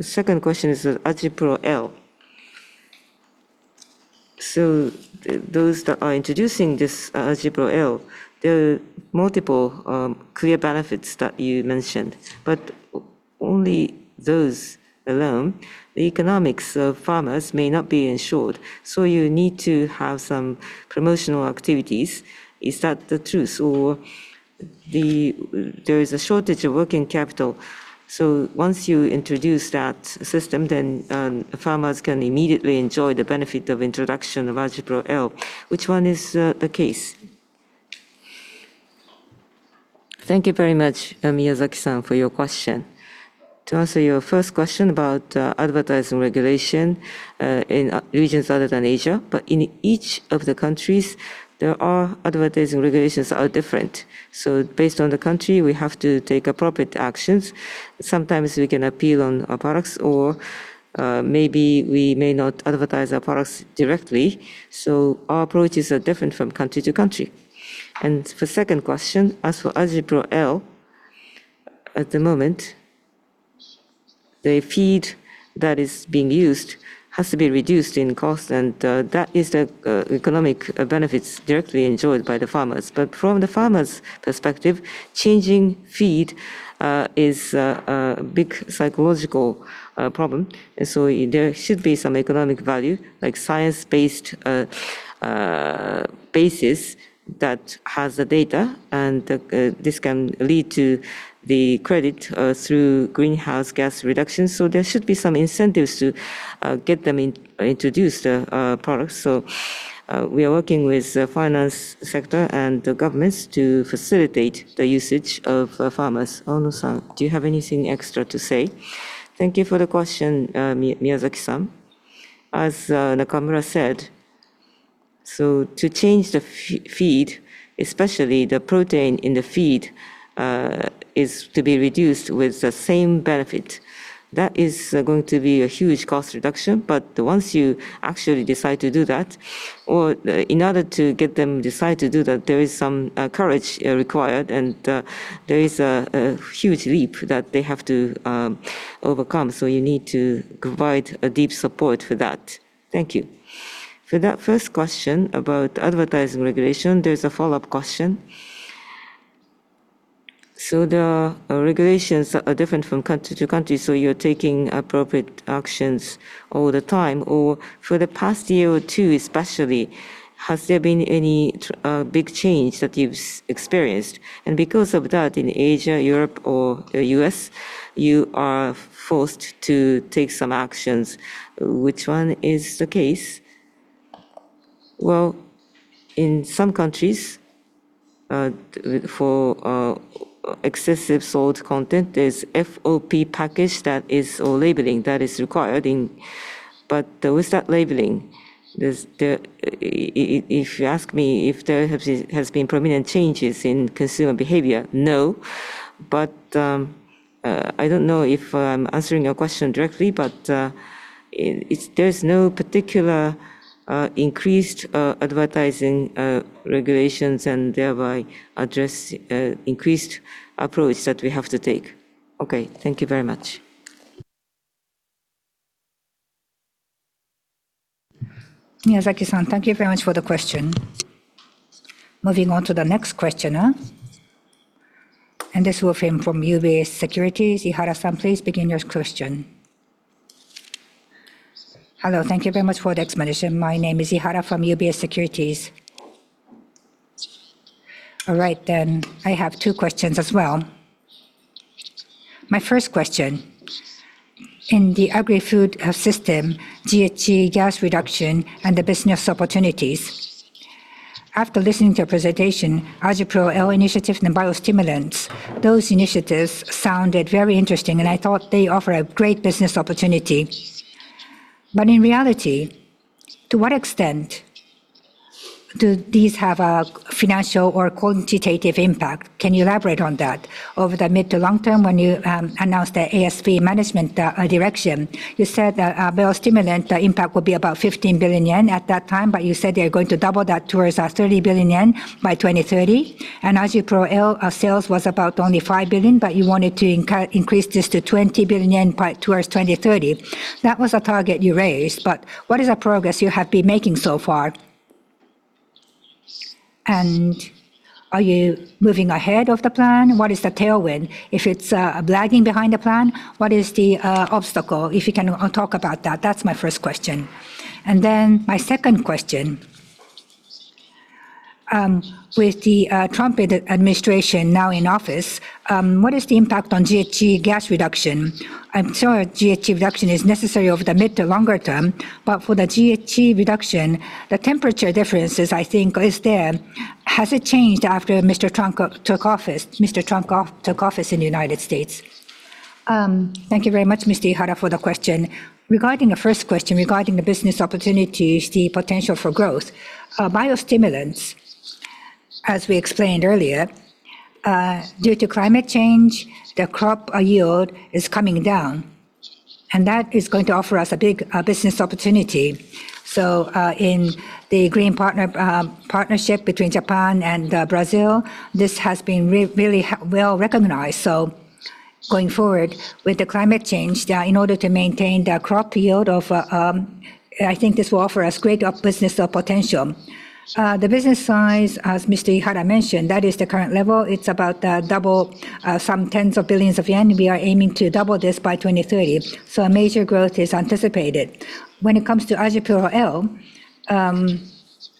Second question is AjiPro-L. Those that are introducing this AjiPro-L, there are multiple clear benefits that you mentioned, but only those alone, the economics of farmers may not be ensured, so you need to have some promotional activities. Is that the truth or There is a shortage of working capital, so once you introduce that system, then farmers can immediately enjoy the benefit of introduction of AjiPro-L. Which one is the case? Thank you very much, Miyazaki-san for your question. To answer your first question about advertising regulation in regions other than Asia, but in each of the countries, there are advertising regulations are different. Based on the country, we have to take appropriate actions. Sometimes we can appeal on our products or maybe we may not advertise our products directly, so our approaches are different from country to country. For second question, as for AjiPro-L, at the moment, the feed that is being used has to be reduced in cost, and that is the economic benefits directly enjoyed by the farmers. But from the farmers' perspective changing feed is a big psychological problem. There should be some economic value, like science-based basis that has the data and this can lead to the credit through greenhouse gas reduction. There should be some incentives to introduce the products. We are working with the finance sector and the governments to facilitate the usage of farmers. Ono-san, do you have anything extra to say? Thank you for the question, Miyazaki-san. As Nakamura said, to change the feed, especially the protein in the feed, is to be reduced with the same benefit. That is going to be a huge cost reduction. Once you actually decide to do that or in order to get them decide to do that, there is some courage required and, there is a huge leap that they have to overcome. You need to provide a deep support for that. Thank you. For that first question about advertising regulation, there's a follow-up question. The regulations are different from country to country, so you're taking appropriate actions all the time. For the past year or two especially, has there been any big change that you've experienced? Because of that, in Asia, Europe or the U.S., you are forced to take some actions. Which one is the case? Well, in some countries, for excessive salt content is FOP package that is or labeling that is required in. With that labeling, if you ask me if there has been permanent changes in consumer behavior, no. I don't know if I'm answering your question directly, but it's there's no particular increased advertising regulations and thereby address increased approach that we have to take. Okay, thank you very much. Miyazaki-san, thank you very much for the question. Moving on to the next questioner, and this will be from UBS Securities. Ihara-san, please begin your question. Hello. Thank you very much for the explanation. My name is Ihara from UBS Securities. All right, then I have two questions as well. My first question, in the agri-food system, GHG gas reduction and the business opportunities. After listening to your presentation, AjiPro-L initiative and the biostimulants, those initiatives sounded very interesting, and I thought they offer a great business opportunity. But in reality, to what extent do these have a financial or quantitative impact? Can you elaborate on that? Over the mid to long term when you announced the ASV management direction, you said that biostimulant impact will be about 15 billion yen at that time, but you said you're going to double that towards 30 billion yen by 2030. AjiPro-L sales was about only 5 billion, but you wanted to increase this to 20 billion yen by towards 2030. That was a target you raised, but what is the progress you have been making so far? Are you moving ahead of the plan? What is the tailwind? If it's lagging behind the plan, what is the obstacle? If you can talk about that. That's my first question. Then my second question, with the Trump administration now in office, what is the impact on GHG gas reduction? I'm sure GHG reduction is necessary over the mid to longer term, but for the GHG reduction, the temperature differences, I think, is there. Has it changed after Mr. Trump took office in the United States? Thank you very much, Mr. Ihara, for the question. Regarding the first question, regarding the business opportunities, the potential for growth. Biostimulants, as we explained earlier, due to climate change, the crop yield is coming down, and that is going to offer us a big business opportunity. In the green partner partnership between Japan and Brazil, this has been really well recognized. Going forward with the climate change, in order to maintain the crop yield, I think this will offer us great business potential. The business size, as Mr. Ihara mentioned that is the current level. It's about double some tens of billions of JPY. We are aiming to double this by 2030. A major growth is anticipated. When it comes to AjiPro-L,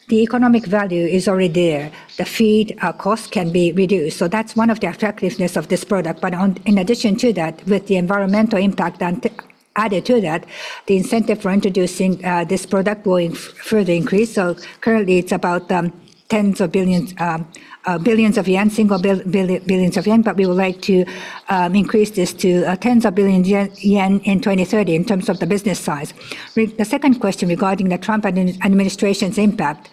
the economic value is already there. The feed cost can be reduced. That's one of the attractiveness of this product. But in addition to that, with the environmental impact then added to that, the incentive for introducing this product will further increase. Currently it's about tens of billions, single billions of JPY, but we would like to increase this to tens of billions of JPY in 2030 in terms of the business size. The second question regarding the Trump administration's impact.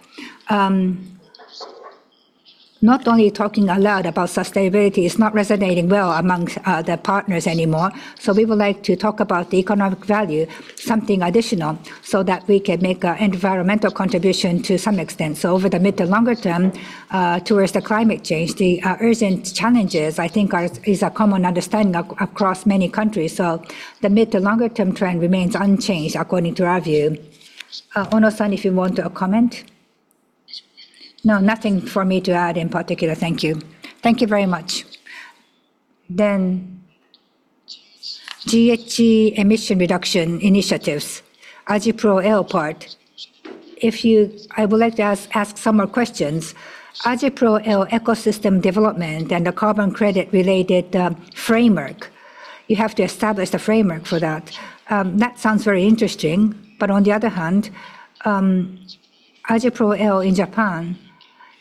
Not only talking a lot about sustainability, it's not resonating well among the partners anymore. We would like to talk about the economic value, something additional, so that we can make an environmental contribution to some extent. Over the mid- to longer-term, towards the climate change, the urgent challenges, I think, is a common understanding across many countries. The mid- to longer-term trend remains unchanged according to our view. Ono-san, if you want to comment. No, nothing for me to add in particular. Thank you. Thank you very much. GHG emission reduction initiatives, AjiPro-L part. I would like to ask some more questions. AjiPro-L ecosystem development and the carbon credit-related framework you have to establish the framework for that. That sounds very interesting. On the other hand, AjiPro-L in Japan,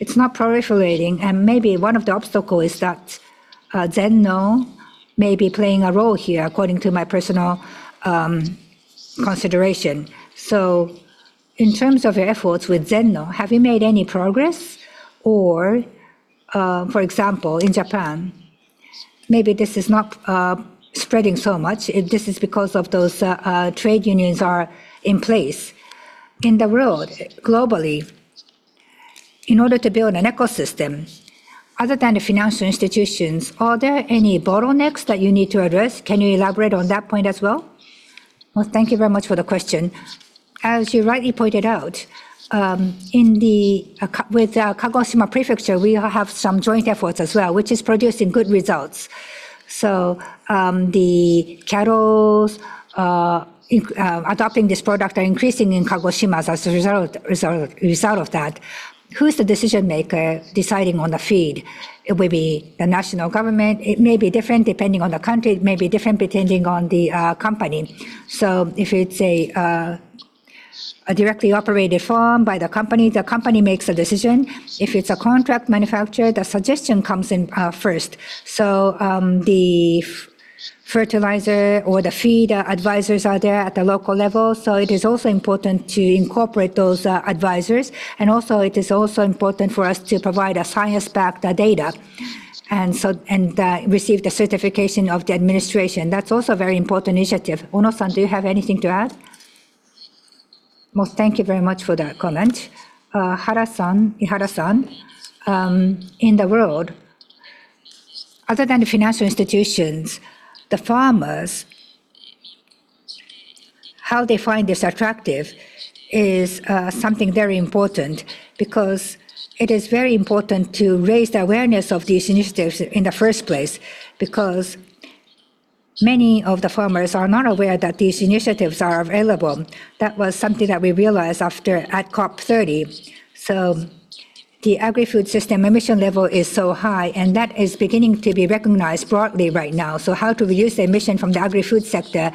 it's not proliferating, and maybe one of the obstacle is that ZEN-NOH may be playing a role here according to my personal consideration. In terms of your efforts with ZEN-NOH, have you made any progress? For example, in Japan, maybe this is not spreading so much. This is because of those trade unions are in place. In the world, globally, in order to build an ecosystem, other than the financial institutions, are there any bottlenecks that you need to address? Can you elaborate on that point as well? Well, thank you very much for the question. As you rightly pointed out, with Kagoshima Prefecture, we have some joint efforts as well, which is producing good results. The cattle adopting this product are increasing in Kagoshima as a result of that. Who's the decision-maker deciding on the feed? It will be the national government. It may be different depending on the country. It may be different depending on the company. If it's a directly operated farm by the company, the company makes a decision. If it's a contract manufacturer, the suggestion comes in first. The fertilizer or the feed advisors are there at the local level, so it is also important to incorporate those advisors. It is also important for us to provide science-backed data. Receive the certification of the administration. That's also a very important initiative. Ono-san, do you have anything to add? Well, thank you very much for that comment. Ihara-san, in the world, other than the financial institutions, the farmers, how they find this attractive is something very important because it is very important to raise the awareness of these initiatives in the first place because many of the farmers are not aware that these initiatives are available. That was something that we realized after at COP 30. The agri-food system emission level is so high, and that is beginning to be recognized broadly right now. How to reduce emission from the agri-food sector,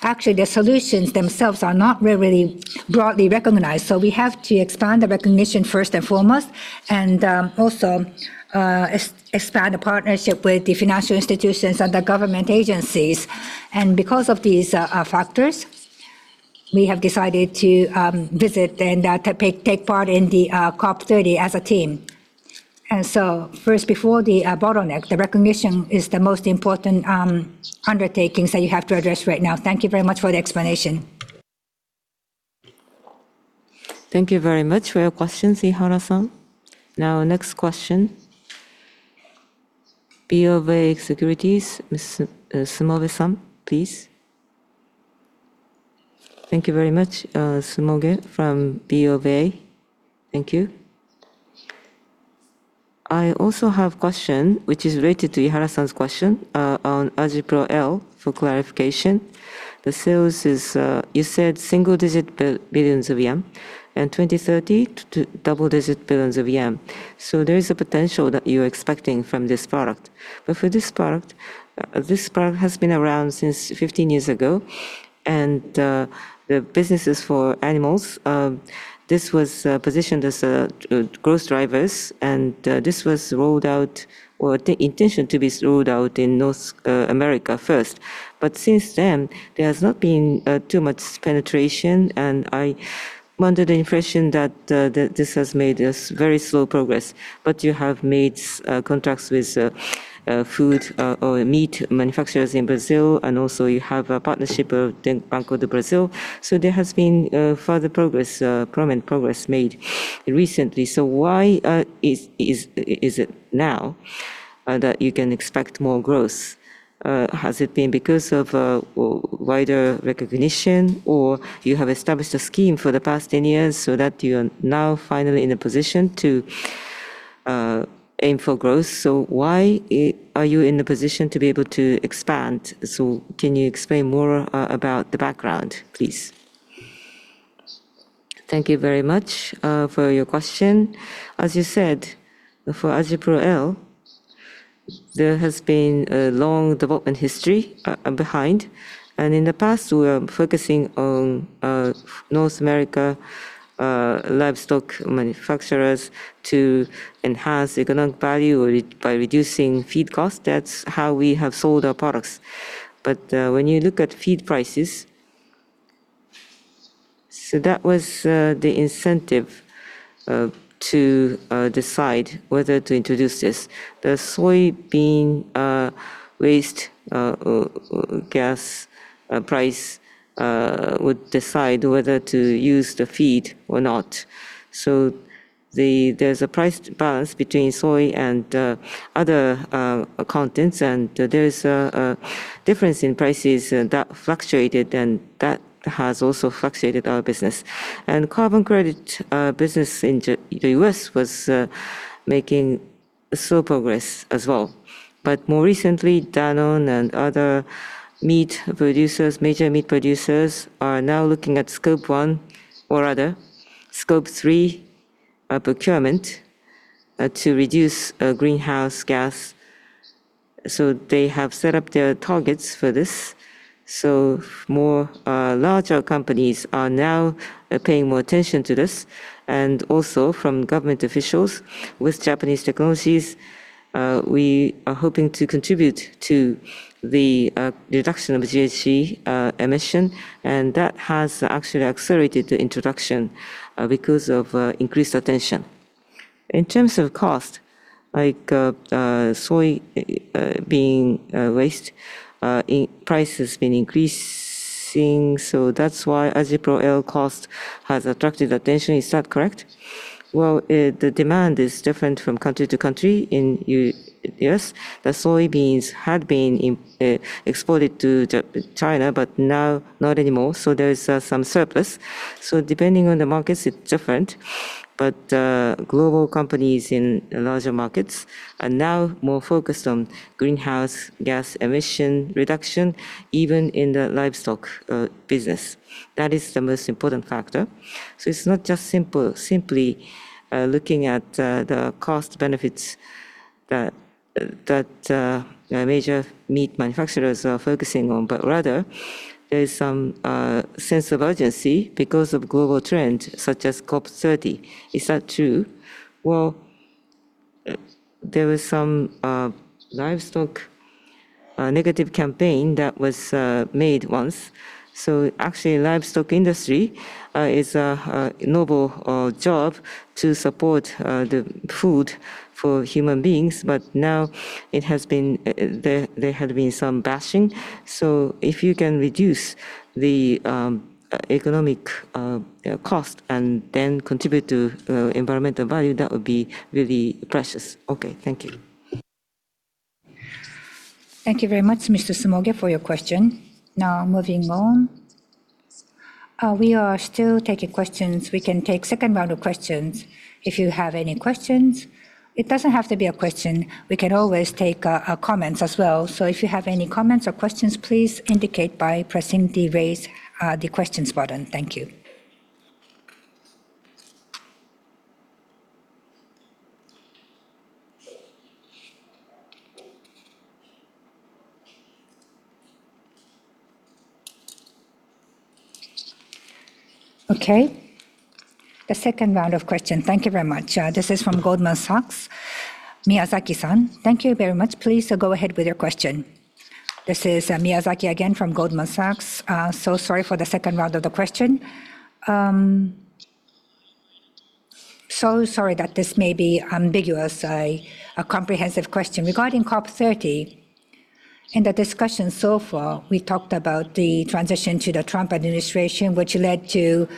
actually, the solutions themselves are not really broadly recognized. We have to expand the recognition first and foremost, and also expand the partnership with the financial institutions and the government agencies. Because of these factors, we have decided to visit and take part in the COP 30 as a team. First before the bottleneck, the recognition is the most important undertakings that you have to address right now. Thank you very much for the explanation. Thank you very much for your questions, Ihara-san. Now next question. BofA Securities, Mr. Sumoge-san, please. Thank you very much, Sumoge from BofA Securities. Thank you. I also have question which is related to Ihara-san's question on AjiPro-L for clarification. The sales, as you said, single-digit billions of JPY and 2030 to double-digit billions of JPY. There is a potential that you're expecting from this product. For this product, this product has been around since 15 years ago, and the business is for animals. This was positioned as growth drivers, and this was rolled out or the intention to be rolled out in North America first. Since then, there's not been too much penetration, and I'm under the impression that this has made this very slow progress. You have made contracts with food or meat manufacturers in Brazil, and also you have a partnership with Banco do Brasil. There has been further progress, prominent progress made recently. Why is it now that you can expect more growth? Has it been because of wider recognition, or you have established a scheme for the past 10 years so that you are now finally in a position to aim for growth? Why are you in the position to be able to expand? Can you explain more about the background, please? Thank you very much for your question. As you said, for AjiPro-L, there has been a long development history behind. In the past, we were focusing on North America livestock manufacturers to enhance economic value by reducing feed cost. That's how we have sold our products. When you look at feed prices. That was the incentive to decide whether to introduce this. The soybean price would decide whether to use the feed or not. There's a price balance between soy and other contents, and there is a difference in prices, and that fluctuated, and that has also fluctuated our business. Carbon credit business in the U.S. was making slow progress as well. More recently, Danone and other major meat producers are now looking at Scope 1 or Scope 3 procurement to reduce greenhouse gas. They have set up their targets for this. Larger companies are now paying more attention to this. Also from government officials with Japanese technologies, we are hoping to contribute to the reduction of the GHG emission. That has actually accelerated the introduction because of increased attention. In terms of cost, like soybean price has been increasing, so that's why AjiPro-L cost has attracted attention. Is that correct? Well, the demand is different from country to country. In U.S., the soybeans had been exported to China, but now not anymore, so there is some surplus. Depending on the markets, it's different. Global companies in larger markets are now more focused on greenhouse gas emission reduction, even in the livestock business. That is the most important factor. It's not just simply looking at the cost benefits that major meat manufacturers are focusing on, but rather there is some sense of urgency because of global trends such as COP30. Is that true? There was some livestock negative campaign that was made once. Actually, livestock industry is a noble job to support the food for human beings, but now there had been some bashing. If you can reduce the economic cost and then contribute to environmental value, that would be really precious. Okay, thank you. Thank you very much, Mr. Sumoge, for your question. Now moving on. We are still taking questions. We can take second round of questions if you have any questions. It doesn't have to be a question. We can always take comments as well. So if you have any comments or questions, please indicate by pressing the Raise Questions button. Thank you. Okay. The second round of question. Thank you very much. This is from Goldman Sachs, Miyazaki-san. Thank you very much. Please go ahead with your question. This is Miyazaki again from Goldman Sachs. So sorry for the second round of the question. So sorry that this may be ambiguous, a comprehensive question. Regarding COP 30, in the discussion so far, we talked about the transition to the Trump administration, which led to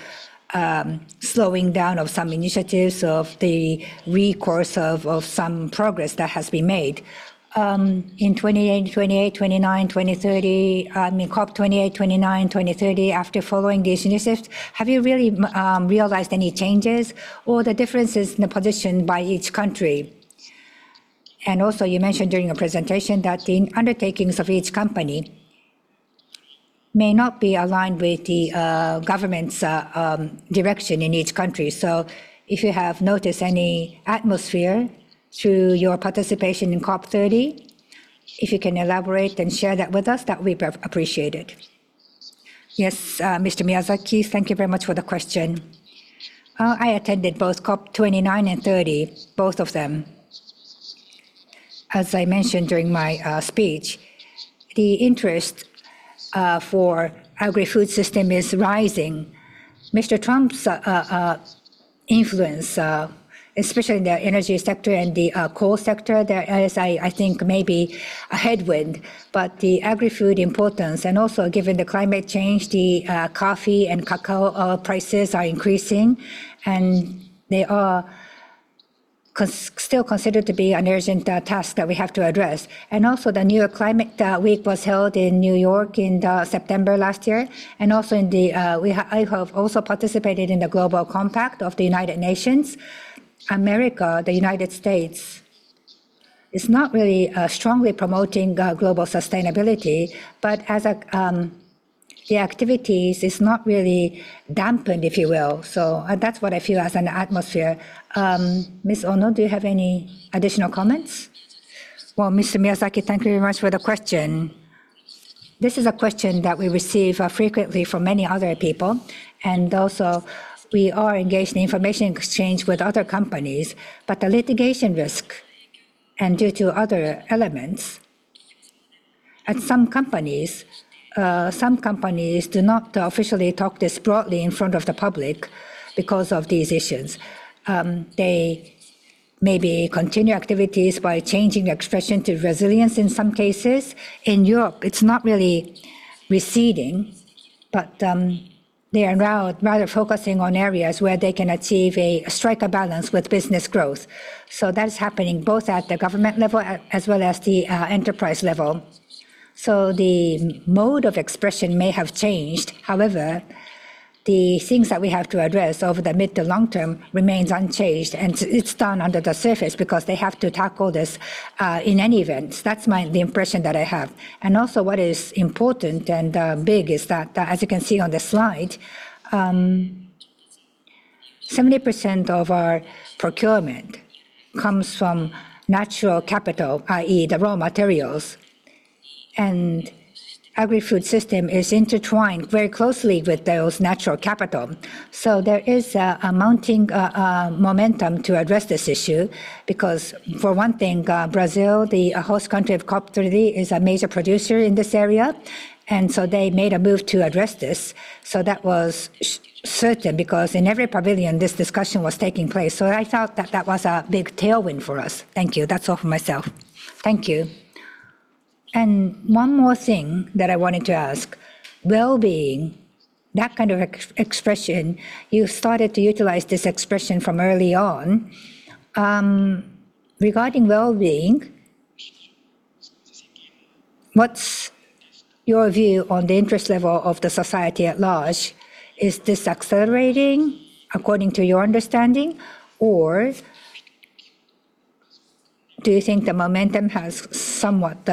slowing down of some initiatives, of some progress that has been made. In 28, 29, 20,30, in COP 28, 29, 30, after following these initiatives, have you really realized any changes or the differences in the position by each country? Also, you mentioned during your presentation that the undertakings of each company may not be aligned with the government's direction in each country. If you have noticed any atmosphere through your participation in COP 30, if you can elaborate and share that with us, that we'd appreciate it. Yes, Mr. Miyazaki. Thank you very much for the question. I attended both COP 29 and 30, both of them. As I mentioned during my speech, the interest for agri-food system is rising. Mr. Trump's influence, especially in the energy sector and the coal sector, there is, I think, may be a headwind. The agri-food importance and also given the climate change, the coffee and cacao prices are increasing, and they are still considered to be an urgent task that we have to address. Also the Climate Week NYC was held in New York in September last year, and also I have also participated in the United Nations Global Compact. America, the United States, is not really strongly promoting global sustainability, but as a the activities is not really dampened, if you will. That's what I feel as an atmosphere. Ms. Ono, do you have any additional comments? Well Mr. Miyazaki, thank you very much for the question. This is a question that we receive frequently from many other people, and also we are engaged in information exchange with other companies. The litigation risk and due to other elements, at some companies, some companies do not officially talk this broadly in front of the public because of these issues. They maybe continue activities by changing expression to resilience in some cases. In Europe, it's not really receding, but they are now rather focusing on areas where they can strike a balance with business growth. That is happening both at the government level as well as the enterprise level. The mode of expression may have changed. However, the things that we have to address over the mid to long term remains unchanged, and it's done under the surface because they have to tackle this, in any event. That's the impression that I have. Also what is important and big is that, as you can see on the slide, 70% of our procurement comes from natural capital, i.e., the raw materials. Agri-food system is intertwined very closely with those natural capital. There is a mounting momentum to address this issue because, for one thing, Brazil, the host country of COP 30, is a major producer in this area. They made a move to address this. That was certain because in every pavilion this discussion was taking place. I felt that that was a big tailwind for us. Thank you. That's all for myself. Thank you. One more thing that I wanted to ask, wellbeing, that kind of expression, you started to utilize this expression from early on. Regarding wellbeing, what's your view on the interest level of the society at large? Is this accelerating according to your understanding, or do you think the momentum has somewhat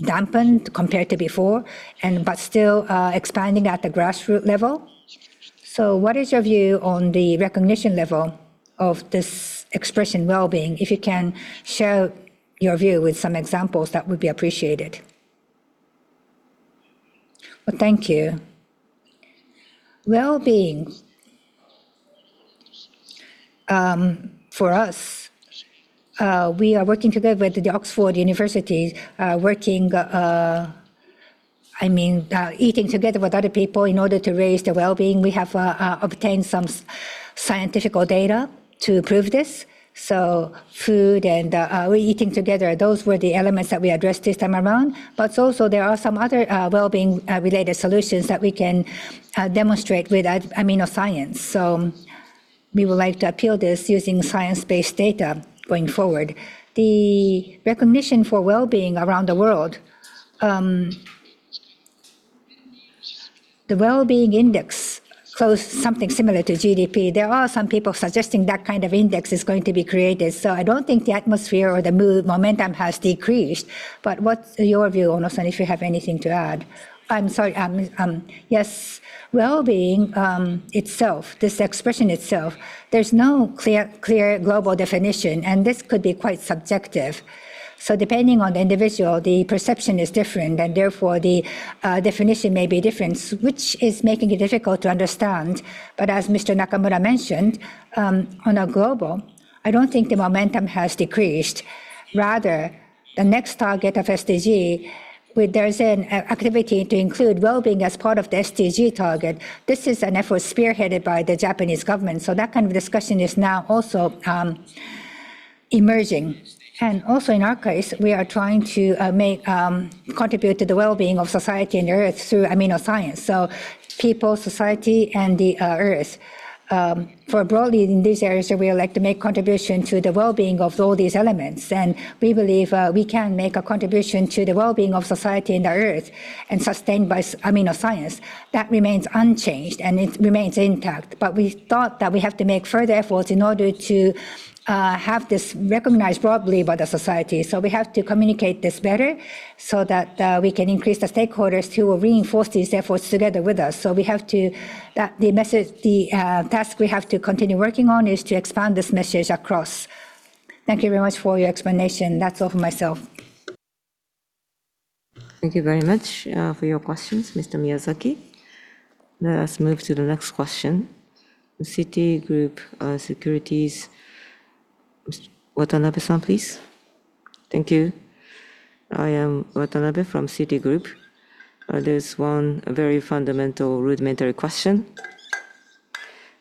dampened compared to before but still expanding at the grassroots level? What is your view on the recognition level of this expression, wellbeing? If you can share your view with some examples that would be appreciated. Well, thank you. Wellbeing, for us we are working together with the University of Oxford. I mean, eating together with other people in order to raise their wellbeing. We have obtained some scientific data to prove this. Food and we're eating together, those were the elements that we addressed this time around. Also there are some other wellbeing related solutions that we can demonstrate with AminoScience. We would like to appeal this using science-based data going forward. The recognition for wellbeing around the world, the wellbeing index shows something similar to GDP. There are some people suggesting that kind of index is going to be created, so I don't think the atmosphere or the momentum has decreased. What's your view, Ono-san, if you have anything to add? I'm sorry. Yes. Wellbeing itself this expression itself there's no clear global definition, and this could be quite subjective. Depending on the individual, the perception is different, and therefore the definition may be different which is making it difficult to understand. As Mr. Nakamura mentioned, on a global, I don't think the momentum has decreased, rather the next target of SDG where there's an activity to include wellbeing as part of the SDG target. This is an effort spearheaded by the Japanese government, so that kind of discussion is now also emerging. Also in our case, we are trying to contribute to the wellbeing of society and Earth through AminoScience. People, society, and the Earth. For broadly in these areas, we would like to make contribution to the wellbeing of all these elements, and we believe we can make a contribution to the wellbeing of society and the Earth and sustained by AminoScience. That remains unchanged, and it remains intact. We thought that we have to make further efforts in order to have this recognized broadly by the society. We have to communicate this better so that we can increase the stakeholders who will reinforce these efforts together with us. The message, the task we have to continue working on is to expand this message across. Thank you very much for your explanation. That's all for myself. Thank you very much for your questions, Mr. Miyazaki. Let us move to the next question. Citigroup Securities, Mr. Watanabe-san, please. Thank you. I am Watanabe from Citigroup. There's one very fundamental rudimentary question.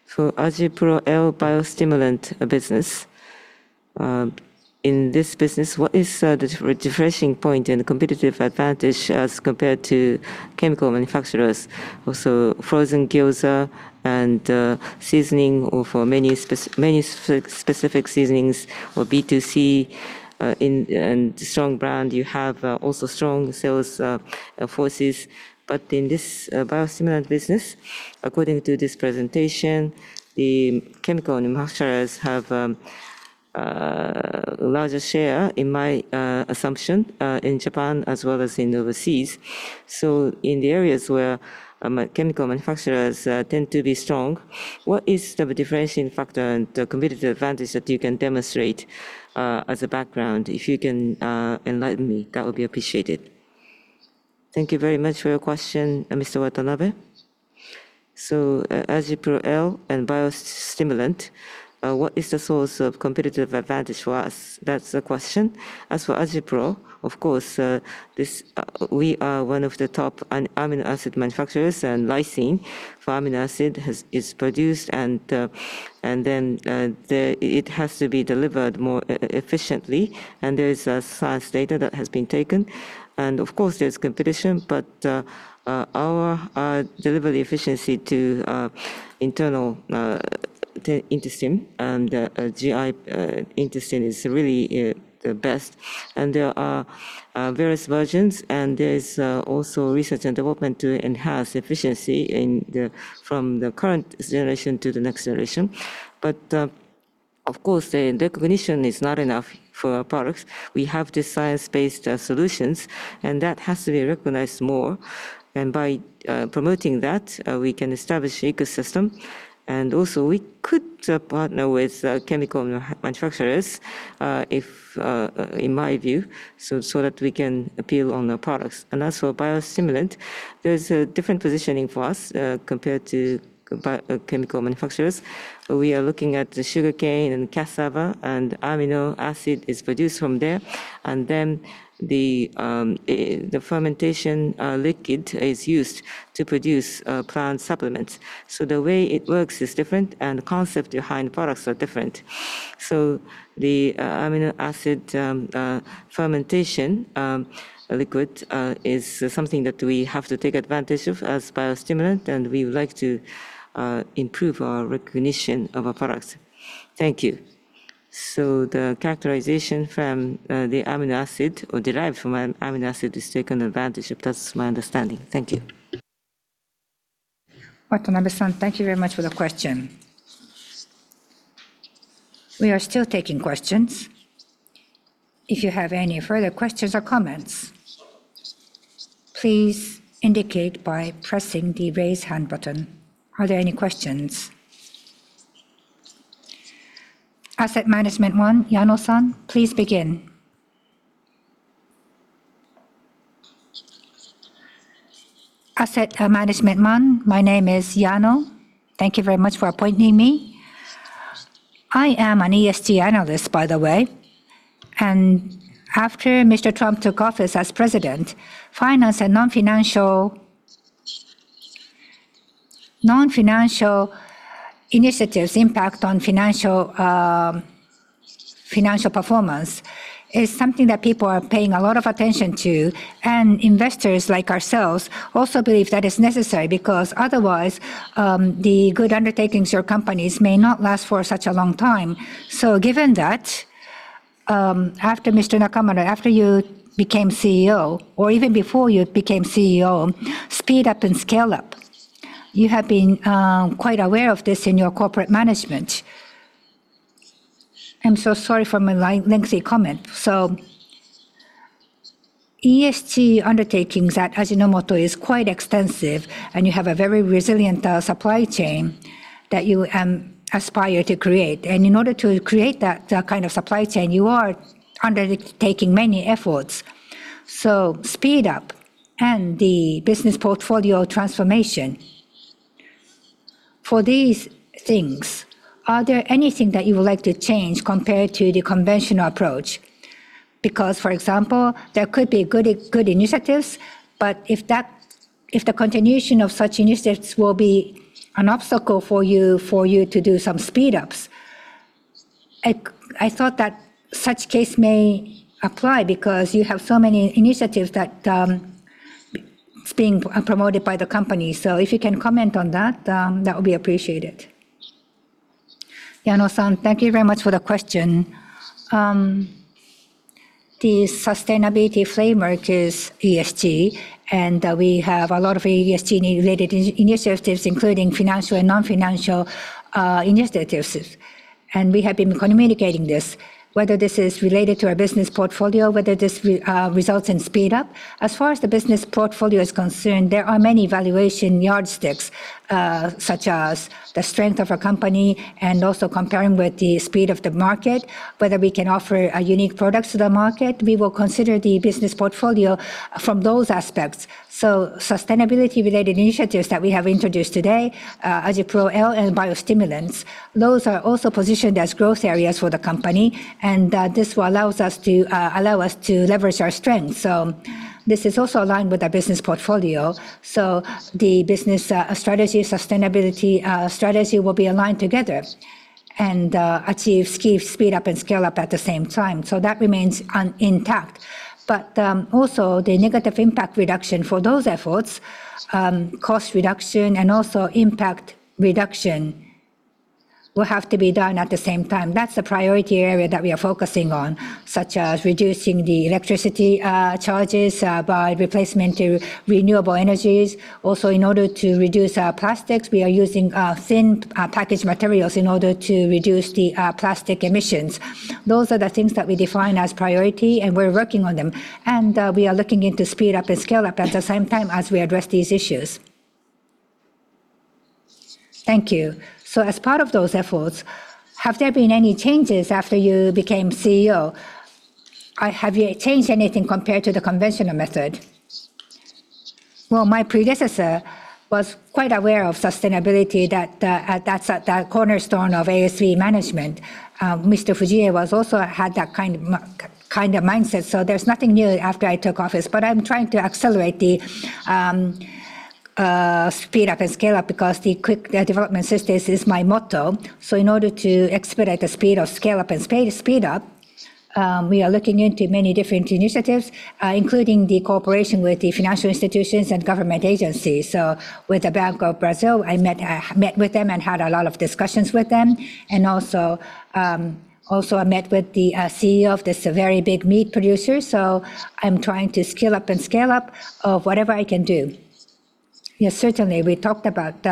For AjiPro-L biostimulant business, in this business, what is the differentiating point and competitive advantage as compared to chemical manufacturers? Also, frozen gyoza and seasoning or for many specific seasonings or B2C, in and strong brand, you have also strong sales forces. But in this biostimulant business, according to this presentation, the chemical manufacturers have larger share, in my assumption, in Japan as well as in overseas. In the areas where chemical manufacturers tend to be strong, what is the differentiating factor and the competitive advantage that you can demonstrate as a background? If you can enlighten me, that would be appreciated. Thank you very much for your question, Mr. Watanabe. AjiPro-L and biostimulant, what is the source of competitive advantage for us? That's the question. As for AjiPro-L, of course, we are one of the top amino acid manufacturers, and lysine, an amino acid, is produced and then it has to be delivered more efficiently, and there is scientific data that has been taken. Of course there's competition, but our delivery efficiency to internal to intestine and GI intestine is really the best. There are various versions, and there is also research and development to enhance efficiency from the current generation to the next generation. Of course, the recognition is not enough for our products. We have the science-based solutions, and that has to be recognized more. By promoting that, we can establish ecosystem, and also we could partner with chemical manufacturers, if, in my view, so that we can appeal on the products. As for biostimulant, there's a different positioning for us compared to chemical manufacturers. We are looking at the sugarcane and cassava, and amino acid is produced from there. Then the fermentation liquid is used to produce plant supplements. The way it works is different, and the concept behind the products are different. The amino acid fermentation liquid is something that we have to take advantage of as biostimulant, and we would like to improve our recognition of our products. Thank you. The characterization from the amino acid or derived from an amino acid is taken advantage of. That's my understanding. Thank you. Watanabe-san, thank you very much for the question. We are still taking questions. If you have any further questions or comments, please indicate by pressing the Raise Hand button. Are there any questions? Asset Management One, Yano-san, please begin. Asset Management One. My name is Yano. Thank you very much for appointing me. I am an ESG analyst, by the way. After Mr. Trump took office as president, financial and non-financial initiatives impact on financial performance is something that people are paying a lot of attention to. Investors like ourselves also believe that is necessary because otherwise, the good undertakings or companies may not last for such a long time. Given that, after Mr. Nakamura, after you became Chief Executive Officer or even before you became Chief Executive Officer, speed up and scale up. You have been quite aware of this in your corporate management. I'm so sorry for my lengthy comment. ESG undertakings at Ajinomoto is quite extensive, and you have a very resilient supply chain that you aspire to create. In order to create that kind of supply chain, you are undertaking many efforts. Speed up and the business portfolio transformation. For these things, are there anything that you would like to change compared to the conventional approach? Because for example there could be good initiatives, but if the continuation of such initiatives will be an obstacle for you to do some speed ups. I thought that such case may apply because you have so many initiatives that it's being promoted by the company. If you can comment on that would be appreciated. Yano-san, thank you very much for the question. The sustainability framework is ESG, and we have a lot of ESG-related initiatives, including financial and non-financial initiatives. We have been communicating this, whether this is related to our business portfolio, whether this results in speed up. As far as the business portfolio is concerned, there are many valuation yardsticks, such as the strength of a company and also comparing with the speed of the market, whether we can offer a unique products to the market. We will consider the business portfolio from those aspects. Sustainability-related initiatives that we have introduced today, AjiPro-L and biostimulants, those are also positioned as growth areas for the company, and this will allow us to leverage our strengths. This is also aligned with our business portfolio. The business strategy, sustainability strategy will be aligned together and achieve speed up and scale up at the same time. That remains intact. Also the negative impact reduction for those efforts, cost reduction and also impact reduction will have to be done at the same time. That's the priority area that we are focusing on, such as reducing the electricity charges by replacement to renewable energies. Also, in order to reduce our plastics, we are using thin packaging materials in order to reduce the plastic emissions. Those are the things that we define as priority, and we're working on them. We are looking into speed up and scale up at the same time as we address these issues. Thank you. As part of those efforts, have there been any changes after you became Chief Executive Officer? Have you changed anything compared to the conventional method? Well, my predecessor was quite aware of sustainability, that's at the cornerstone of ASV management. Mr. Fujie also had that kind of mindset. There's nothing new after I took office, but I'm trying to accelerate the speed up and scale up because the quick development systems is my motto. In order to expedite the speed of scale up and speed up, we are looking into many different initiatives, including the cooperation with the financial institutions and government agencies. With Banco do Brasil, I met with them and had a lot of discussions with them. Also, I met with the Chief Executive Officer of this very big meat producer. I'm trying to scale up and scale up of whatever I can do. Yes, certainly. We talked about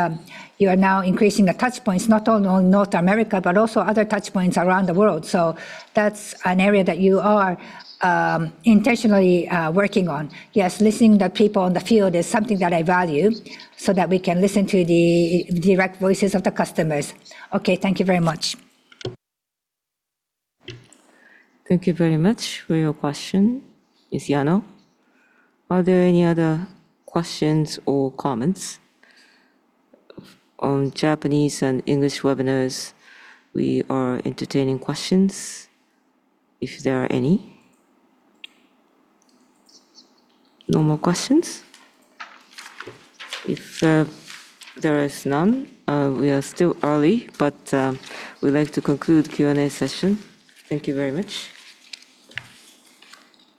you are now increasing the touchpoints, not only on North America, but also other touchpoints around the world. That's an area that you are intentionally working on. Yes, listening to people in the field is something that I value so that we can listen to the direct voices of the customers. Okay, thank you very much. Thank you very much for your question, Ms. Yano. Are there any other questions or comments? On Japanese and English webinars, we are entertaining questions if there are any. No more questions? If there is none, we are still early, but we'd like to conclude Q&A session. Thank you very much.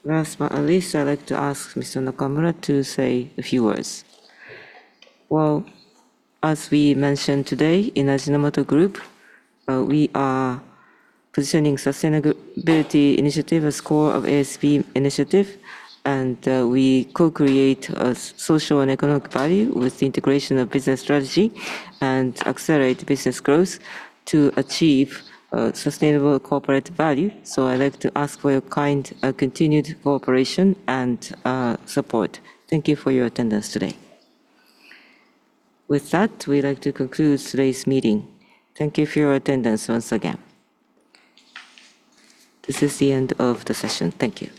Last but not least, I'd like to ask Mr. Nakamura to say a few words. Well, as we mentioned today, in Ajinomoto Group, we are positioning sustainability initiative as core of ASV initiative, and we co-create a social and economic value with the integration of business strategy and accelerate business growth to achieve sustainable corporate value. I'd like to ask for your kind continued cooperation and support. Thank you for your attendance today. With that we'd like to conclude today's meeting. Thank you for your attendance once again. This is the end of the session. Thank you.